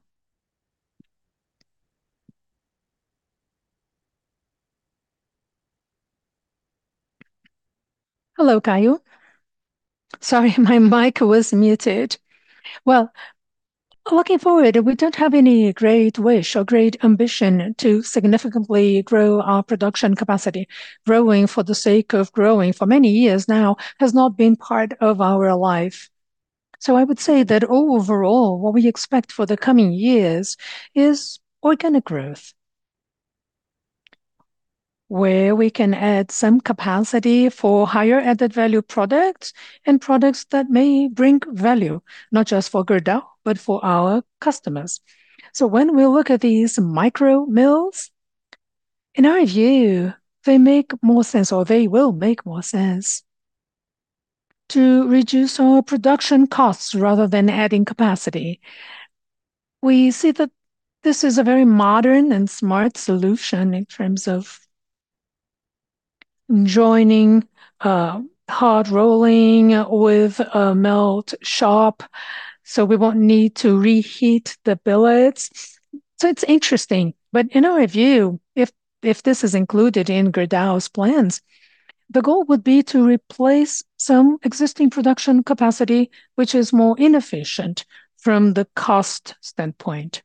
Hello, Caio. Sorry, my mic was muted. Well, looking forward, we don't have any great wish or great ambition to significantly grow our production capacity. Growing for the sake of growing for many years now has not been part of our life. I would say that overall, what we expect for the coming years is organic growth, where we can add some capacity for higher added-value products and products that may bring value, not just for Gerdau, but for our customers. When we look at these micro-mills, in our view, they make more sense or they will make more sense to reduce our production costs rather than adding capacity. We see that this is a very modern and smart solution in terms of joining, hot rolling with a melt shop, we won't need to reheat the billets. It's interesting. In our view, if this is included in Gerdau's plans, the goal would be to replace some existing production capacity, which is more inefficient from the cost standpoint.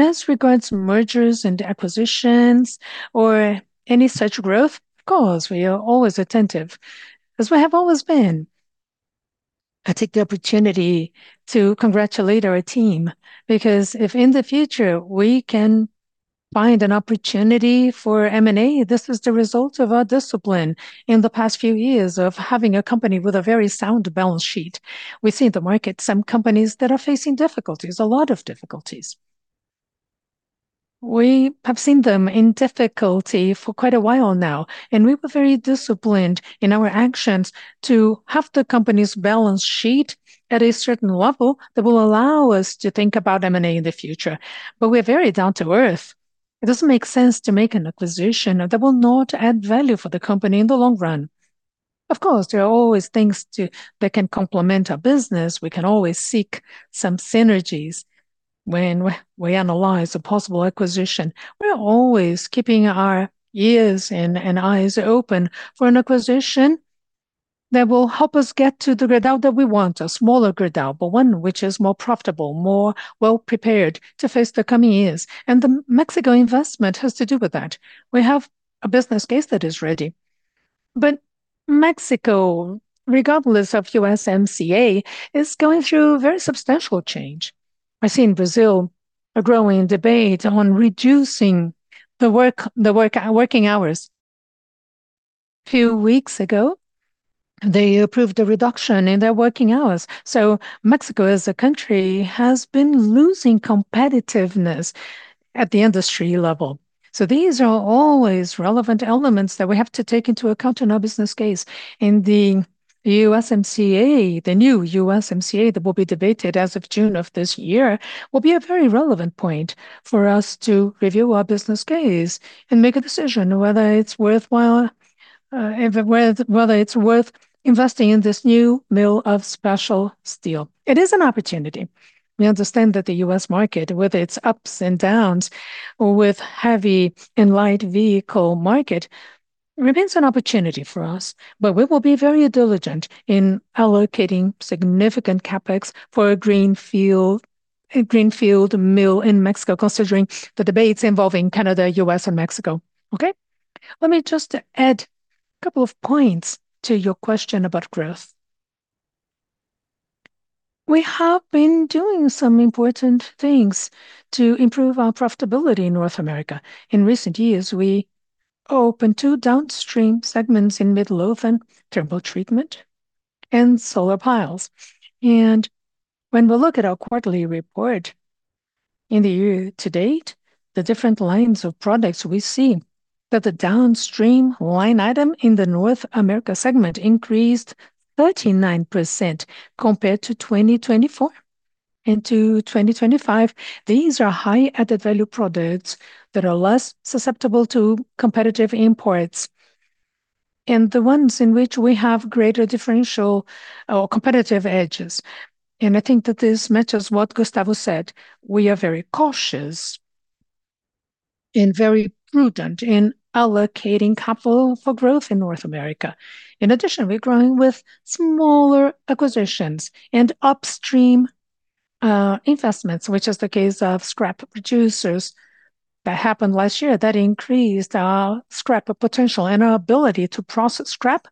As regards to mergers and acquisitions or any such growth, of course, we are always attentive, as we have always been. I take the opportunity to congratulate our team, because if in the future we can find an opportunity for M&A, this is the result of our discipline in the past few years of having a company with a very sound balance sheet. We see in the market some companies that are facing difficulties, a lot of difficulties. We have seen them in difficulty for quite a while now, and we were very disciplined in our actions to have the company's balance sheet at a certain level that will allow us to think about M&A in the future. We're very down-to-earth. It doesn't make sense to make an acquisition that will not add value for the company in the long run. Of course, there are always things that can complement our business. We can always seek some synergies when we analyze a possible acquisition. We are always keeping our ears and eyes open for an acquisition that will help us get to the Gerdau that we want, a smaller Gerdau, but one which is more profitable, more well-prepared to face the coming years, and the Mexico investment has to do with that. We have a business case that is ready. Mexico, regardless of USMCA, is going through very substantial change. I see in Brazil a growing debate on reducing the working hours. Few weeks ago, they approved the reduction in their working hours. Mexico, as a country, has been losing competitiveness at the industry level. These are always relevant elements that we have to take into account in our business case. The USMCA, the new USMCA, that will be debated as of June of this year, will be a very relevant point for us to review our business case and make a decision whether it's worthwhile, whether it's worth investing in this new mill of special steel. It is an opportunity. We understand that the U.S. market, with its ups and downs, with heavy and light vehicle market, remains an opportunity for us. We will be very diligent in allocating significant CapEx for a greenfield, a greenfield mill in Mexico, considering the debates involving Canada, U.S., and Mexico. Okay? Let me just add a couple of points to your question about growth. We have been doing some important things to improve our profitability in North America. In recent years, we opened two downstream segments in Midlothian and thermal treatment and solar piles. When we look at our quarterly report in the year to date, the different lines of products, we see that the downstream line item in the North America segment increased 39% compared to 2024. Into 2025, these are high added-value products that are less susceptible to competitive imports, and the ones in which we have greater differential or competitive edges. I think that this matches what Gustavo said, we are very cautious and very prudent in allocating capital for growth in North America. In addition, we're growing with smaller acquisitions and upstream investments, which is the case of scrap producers that happened last year, that increased our scrap potential and our ability to process scrap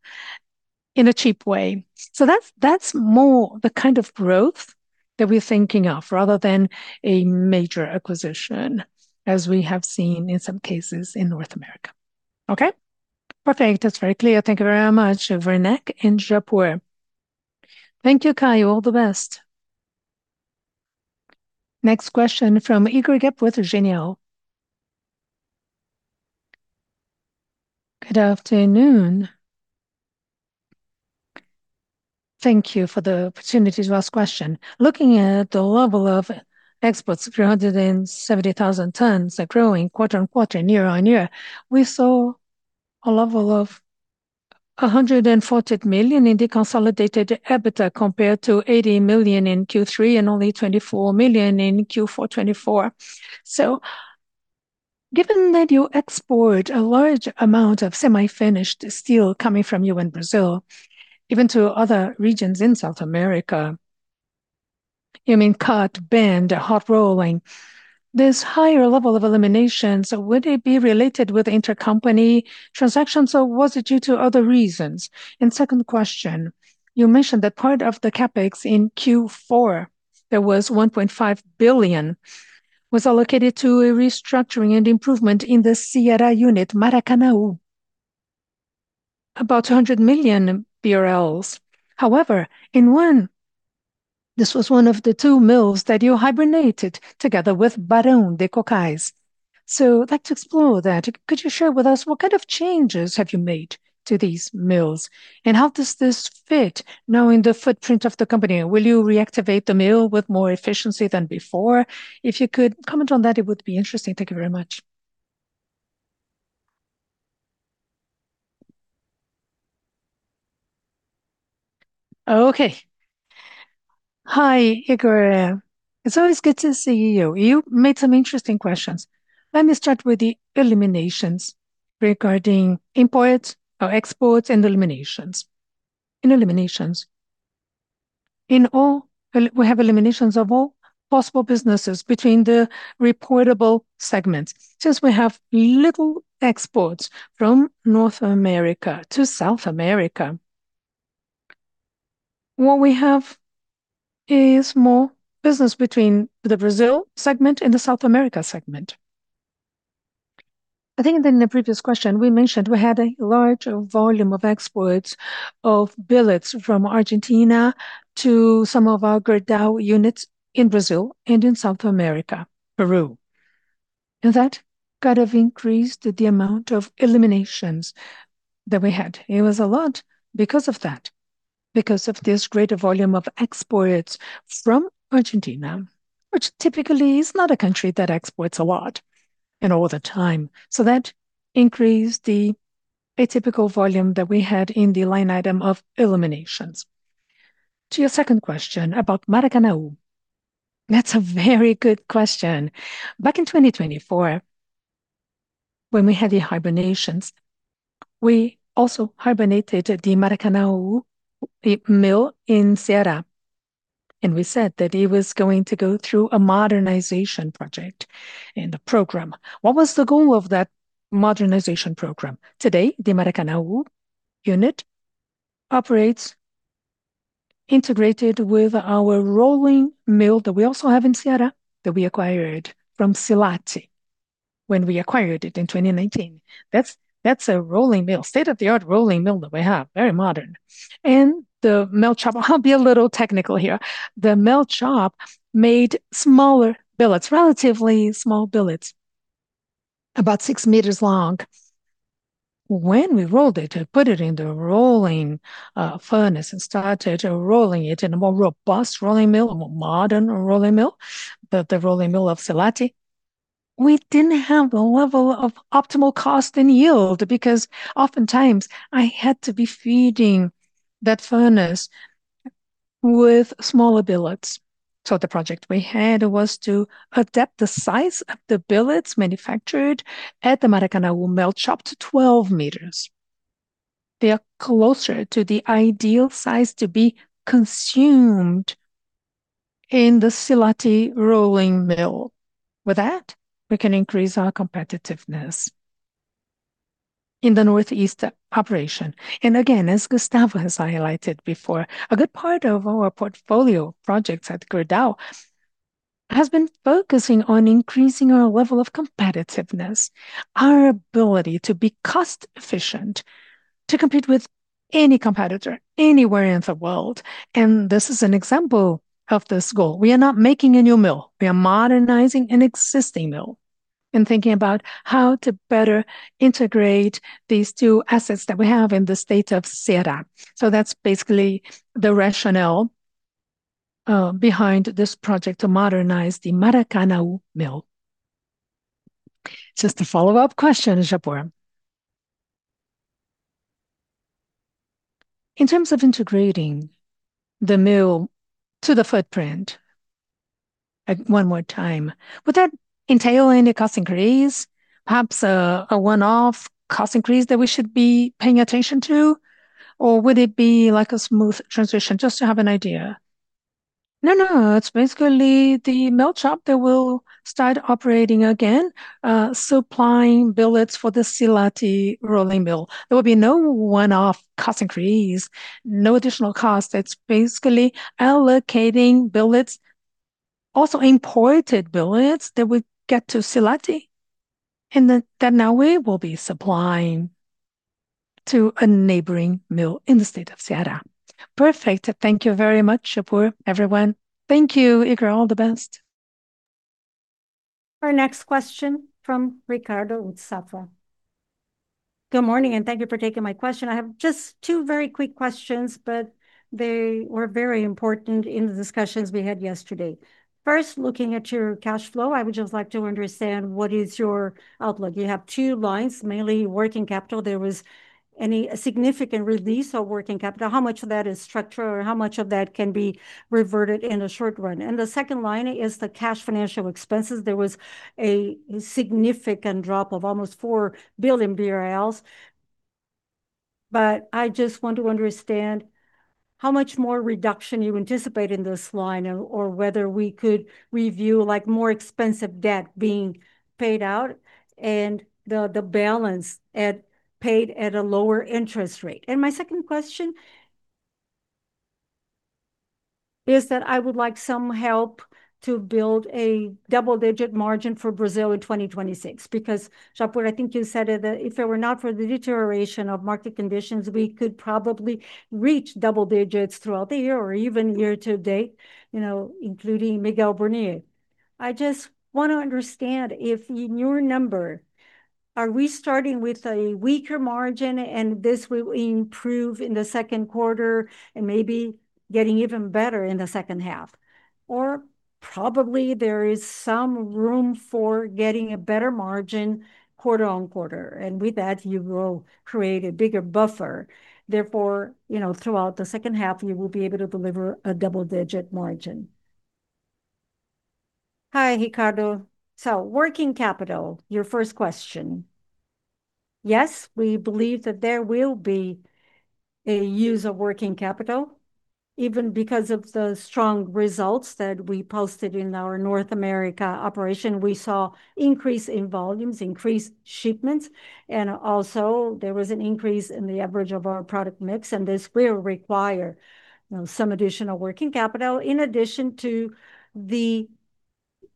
in a cheap way. That's, that's more the kind of growth that we're thinking of, rather than a major acquisition, as we have seen in some cases in North America. Okay? Perfect. That's very clear. Thank you very much, Gustavo Werneck and Japur. Thank you, Caio. All the best. Next question from Igor Guedes with Genial Investimentos. Good afternoon. Thank you for the opportunity to ask question. Looking at the level of exports, 370,000 tons are growing quarter-on-quarter and year-on-year. We saw a level of 140 million in the consolidated EBITDA, compared to 80 million in Q3, and only 24 million in Q4 2024. Given that you export a large amount of semi-finished steel coming from you in Brazil, even to other regions in South America, you mean cut, bend, hot rolling, this higher level of eliminations, would it be related with intercompany transactions, or was it due to other reasons? Second question: you mentioned that part of the CapEx in Q4, there was 1.5 billion, was allocated to a restructuring and improvement in the Ceará unit, Maracanaú, about BRL 200 million. However, in one, this was one of the two mills that you hibernated together with Barão de Cocais. I'd like to explore that. Could you share with us what kind of changes have you made to these mills, and how does this fit now in the footprint of the company? Will you reactivate the mill with more efficiency than before? If you could comment on that, it would be interesting. Thank you very much. Okay. Hi, Igor. It's always good to see you. You made some interesting questions. Let me start with the eliminations regarding imports or exports and eliminations. In eliminations, in all we have eliminations of all possible businesses between the reportable segments. Since we have little exports from North America to South America, what we have is more business between the Brazil segment and the South America segment. I think that in the previous question, we mentioned we had a large volume of exports of billets from Argentina to some of our Gerdau units in Brazil and in South America, Peru. That kind of increased the amount of eliminations that we had. It was a lot because of that, because of this greater volume of exports from Argentina, which typically is not a country that exports a lot and all the time. That increased the atypical volume that we had in the line item of eliminations. To your second question about Maracanaú, that's a very good question. Back in 2024, when we had the hibernations, we also hibernated the Maracanaú, the mill in Ceará, and we said that it was going to go through a modernization project in the program. What was the goal of that modernization program? Today, the Maracanaú unit operates integrated with our rolling mill, that we also have in Ceará, that we acquired from Silat when we acquired it in 2019. That's a rolling mill, state-of-the-art rolling mill that we have, very modern. The melt shop, I'll be a little technical here, the melt shop made smaller billets, relatively small billets about six meters long. When we rolled it and put it in the rolling furnace and started rolling it in a more robust rolling mill, a more modern rolling mill, the rolling mill of Silat, we didn't have a level of optimal cost and yield, because oftentimes I had to be feeding that furnace with smaller billets. The project we had was to adapt the size of the billets manufactured at the Maracanaú melt shop to 12 meters. They are closer to the ideal size to be consumed in the Silat rolling mill. With that, we can increase our competitiveness in the Northeast operation. Again, as Gustavo has highlighted before, a good part of our portfolio projects at Gerdau has been focusing on increasing our level of competitiveness, our ability to be cost efficient, to compete with any competitor anywhere in the world, and this is an example of this goal. We are not making a new mill, we are modernizing an existing mill, and thinking about how to better integrate these two assets that we have in the state of Ceará. That's basically the rationale behind this project to modernize the Maracanaú mill. Just a follow-up question, Japur. In terms of integrating the mill to the footprint, like, one more time, would that entail any cost increase? Perhaps a one-off cost increase that we should be paying attention to, or would it be, like, a smooth transition, just to have an idea? No, no, it's basically the melt shop that will start operating again, supplying billets for the Silat rolling mill. There will be no one-off cost increase, no additional cost. It's basically allocating billets, also imported billets, that will get to Silat, and then, that now we will be supplying to a neighboring mill in the state of Ceará. Perfect. Thank you very much, Japur. Everyone, thank you, and all the best. Our next question from Ricardo with Banco Safra. Good morning. Thank you for taking my question. I have just two very quick questions. They were very important in the discussions we had yesterday. First, looking at your cash flow, I would just like to understand what is your outlook? You have two lines, mainly working capital. There was any significant release of working capital. How much of that is structure, or how much of that can be reverted in the short run? The second line is the cash financial expenses. There was a significant drop of almost 4 billion BRL. I just want to understand how much more reduction you anticipate in this line, or whether we could review, like, more expensive debt being paid out, and the balance at paid at a lower interest rate. My second question is that I would like some help to build a double-digit margin for Brazil in 2026. Because, Japur, I think you said that if it were not for the deterioration of market conditions, we could probably reach double digits throughout the year or even year to date, you know, including Miguel Burnier. I just want to understand if, in your number, are we starting with a weaker margin, and this will improve in the second quarter and maybe getting even better in the second half, or probably there is some room for getting a better margin quarter on quarter, and with that, you will create a bigger buffer, therefore, you know, throughout the second half, you will be able to deliver a double-digit margin? Hi, Ricardo. Working capital, your first question. Yes, we believe that there will be a use of working capital, even because of the strong results that we posted in our North America operation. We saw increase in volumes, increased shipments, and also there was an increase in the average of our product mix, and this will require, you know, some additional working capital, in addition to the,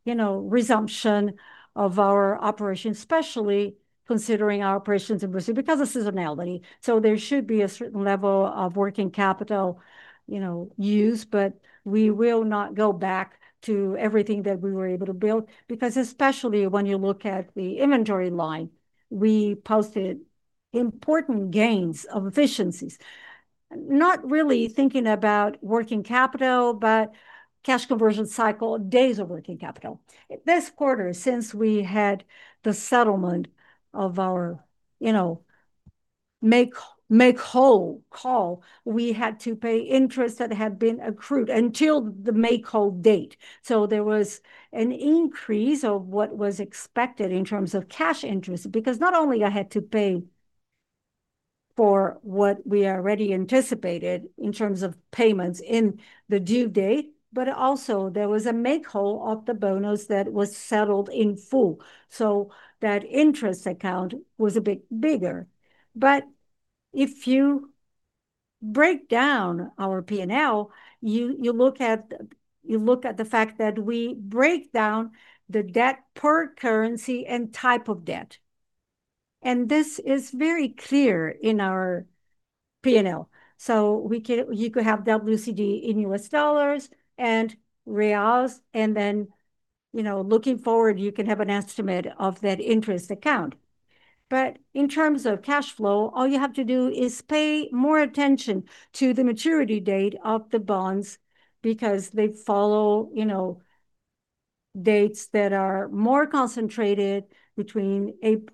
you know, resumption of our operations, especially considering our operations in Brazil, because of seasonality. There should be a certain level of working capital, you know, used, but we will not go back to everything that we were able to build. Especially when you look at the inventory line, we posted important gains of efficiencies. Not really thinking about working capital, but cash conversion cycle, days of working capital. This quarter, since we had the settlement of our, you know, make-whole call, we had to pay interest that had been accrued until the make-whole date. There was an increase of what was expected in terms of cash interest, because not only I had to pay for what we already anticipated in terms of payments in the due date, but also there was a make-whole of the bonus that was settled in full. That interest account was a bit bigger. If you break down our P&L, you look at the fact that we break down the debt per currency and type of debt. This is very clear in our P&L. You could have WCD in U.S. dollars and reals, and then, you know, looking forward, you can have an estimate of that interest account. In terms of cash flow, all you have to do is pay more attention to the maturity date of the bonds, because they follow, you know, dates that are more concentrated between in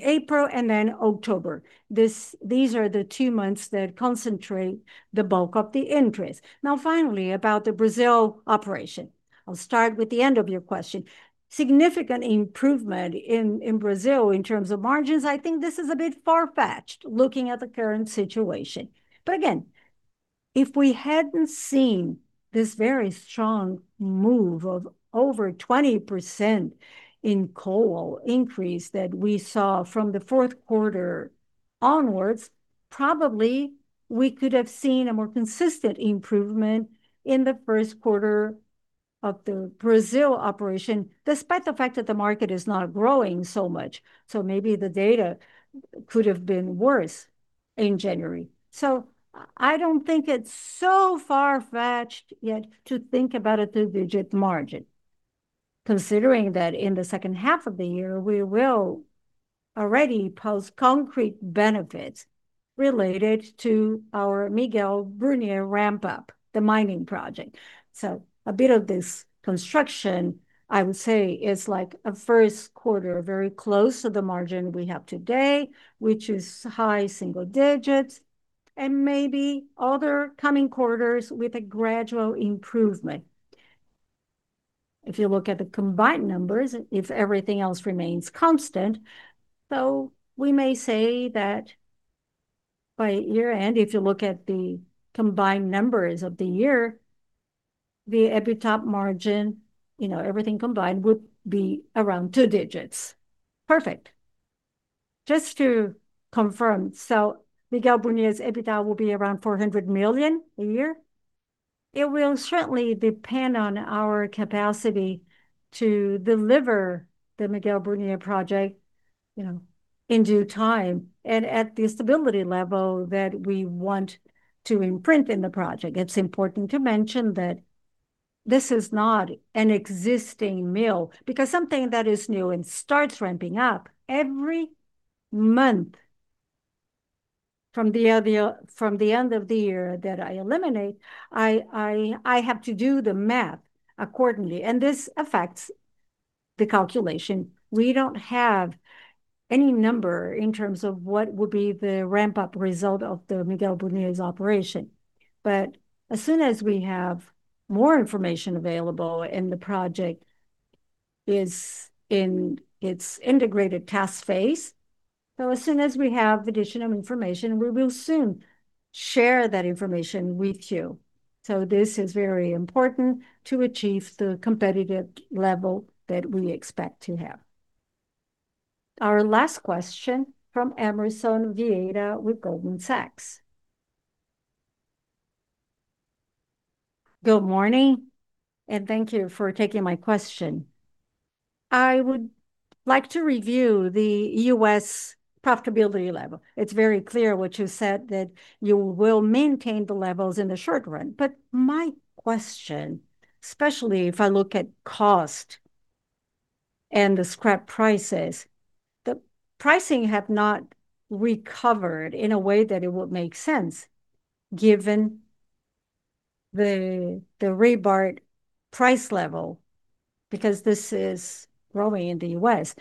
April and then October. These are the two months that concentrate the bulk of the interest. Finally, about the Brazil operation. I'll start with the end of your question. Significant improvement in Brazil in terms of margins, I think this is a bit far-fetched, looking at the current situation. Again, if we hadn't seen this very strong move of over 20% in coal increase that we saw from the fourth quarter onwards, probably we could have seen a more consistent improvement in the first quarter of the Brazil operation, despite the fact that the market is not growing so much. Maybe the data could have been worse in January. I don't think it's so far-fetched yet to think about a two-digit margin, considering that in the second half of the year, we will already post concrete benefits related to our Miguel Burnier ramp-up, the mining project. A bit of this construction, I would say, is like a first quarter, very close to the margin we have today, which is high single digits, and maybe other coming quarters with a gradual improvement. If you look at the combined numbers, if everything else remains constant, we may say that by year-end, if you look at the combined numbers of the year, the EBITDA margin, you know, everything combined, would be around two digits. Perfect. Just to confirm, Miguel Burnier's EBITDA will be around 400 million a year? It will certainly depend on our capacity to deliver the Miguel Burnier project, you know, in due time and at the stability level that we want to imprint in the project. It's important to mention that this is not an existing mill, because something that is new and starts ramping up every month from the end of the year that I eliminate, I have to do the math accordingly, and this affects the calculation. We don't have any number in terms of what would be the ramp-up result of the Miguel Burnier's operation. As soon as we have more information available, and the project is in its integrated task phase, as soon as we have additional information, we will soon share that information with you. This is very important to achieve the competitive level that we expect to have. Our last question from Emerson Vieira with Goldman Sachs. Good morning, and thank you for taking my question. I would like to review the U.S. profitability level. It's very clear what you said, that you will maintain the levels in the short run. My question, especially if I look at cost and the scrap prices, the pricing have not recovered in a way that it would make sense, given the rebar price level, because this is growing in the U.S.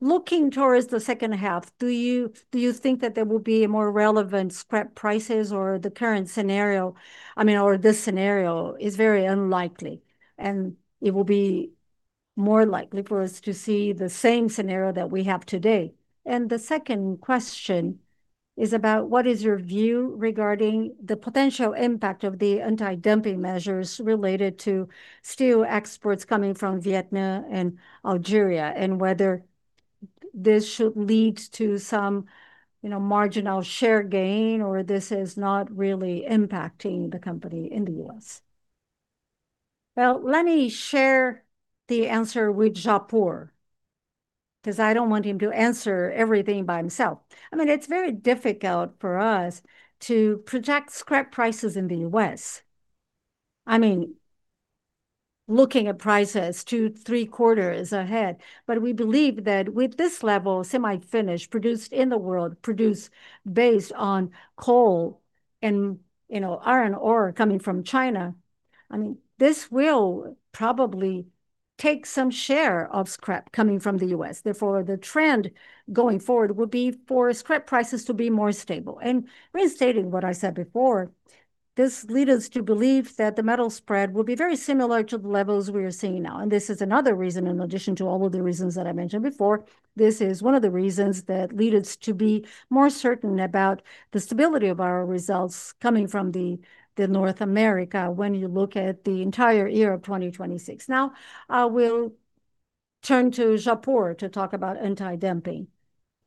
Looking towards the second half, do you think that there will be a more relevant scrap prices or the current scenario, I mean, or this scenario is very unlikely, and it will be more likely for us to see the same scenario that we have today? The second question is about what is your view regarding the potential impact of the anti-dumping measures related to steel exports coming from Vietnam and Algeria, and whether this should lead to some, you know, marginal share gain, or this is not really impacting the company in the U.S.? Well, let me share the answer with Japur, because I don't want him to answer everything by himself. I mean, it's very difficult for us to project scrap prices in the U.S. I mean, looking at prices two, three quarters ahead. We believe that with this level, semi-finished, produced in the world, produced based on coal and, you know, iron ore coming from China, I mean, this will probably take some share of scrap coming from the U.S. Therefore, the trend going forward would be for scrap prices to be more stable. Restating what I said before, this lead us to believe that the metal spread will be very similar to the levels we are seeing now. This is another reason, in addition to all of the reasons that I mentioned before, this is one of the reasons that lead us to be more certain about the stability of our results coming from the North America when you look at the entire year of 2026. I will turn to Japur to talk about anti-dumping.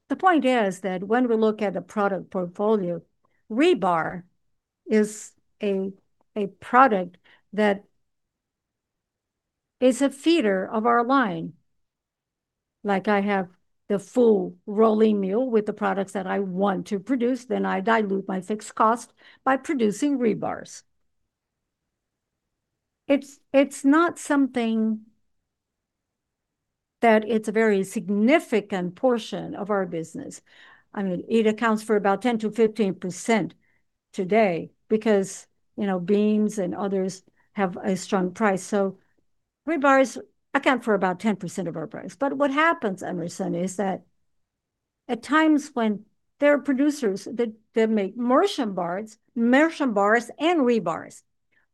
The point is that when we look at the product portfolio, rebar is a product that is a feeder of our line. Like I have the full rolling mill with the products that I want to produce, I dilute my fixed cost by producing rebars. It's not something that it's a very significant portion of our business. I mean, it accounts for about 10%-15% today because, you know, beams and others have a strong price. Rebars account for about 10% of our price. What happens, Emerson, is that at times when there are producers that make merchant bars and rebars,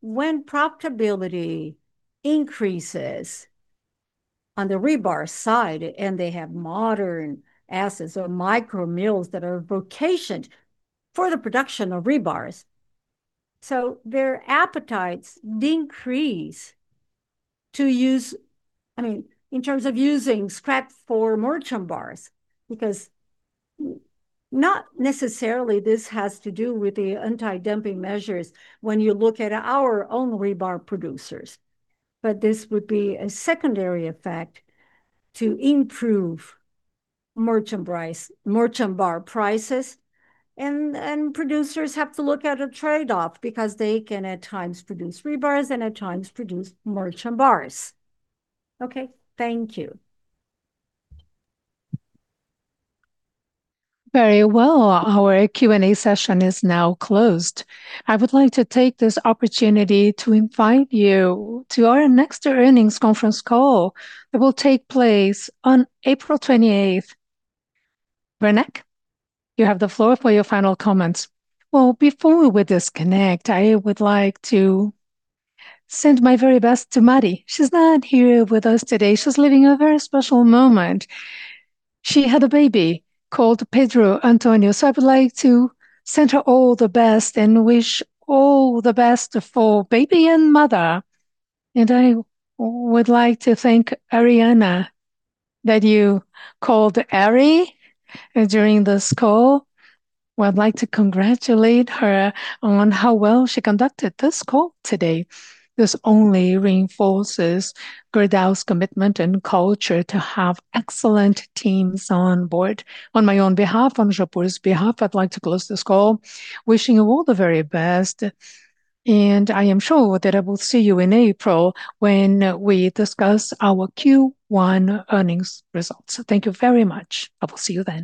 when profitability increases on the rebar side, and they have modern assets or micro-mills that are vocationed for the production of rebars, their appetites decrease to use, I mean, in terms of using scrap for merchant bars, because not necessarily this has to do with the anti-dumping measures when you look at our own rebar producers. This would be a secondary effect to improve merchant price, merchant bar prices, and producers have to look at a trade-off, because they can at times produce rebars and at times produce merchant bars. Okay, thank you. Very well. Our Q&A session is now closed. I would like to take this opportunity to invite you to our next earnings conference call that will take place on April 28th. Werneck, you have the floor for your final comments. Well, before we disconnect, I would like to send my very best to Maddie. She's not here with us today. She's living a very special moment. She had a baby called Pietro Antonio. I would like to send her all the best and wish all the best for baby and mother. I would like to thank Ariana, that you called Ari during this call. Well, I'd like to congratulate her on how well she conducted this call today. This only reinforces Gerdau's commitment and culture to have excellent teams on board. On my own behalf, on Japur's behalf, I'd like to close this call, wishing you all the very best. I am sure that I will see you in April when we discuss our Q1 earnings results. Thank you very much. I will see you then.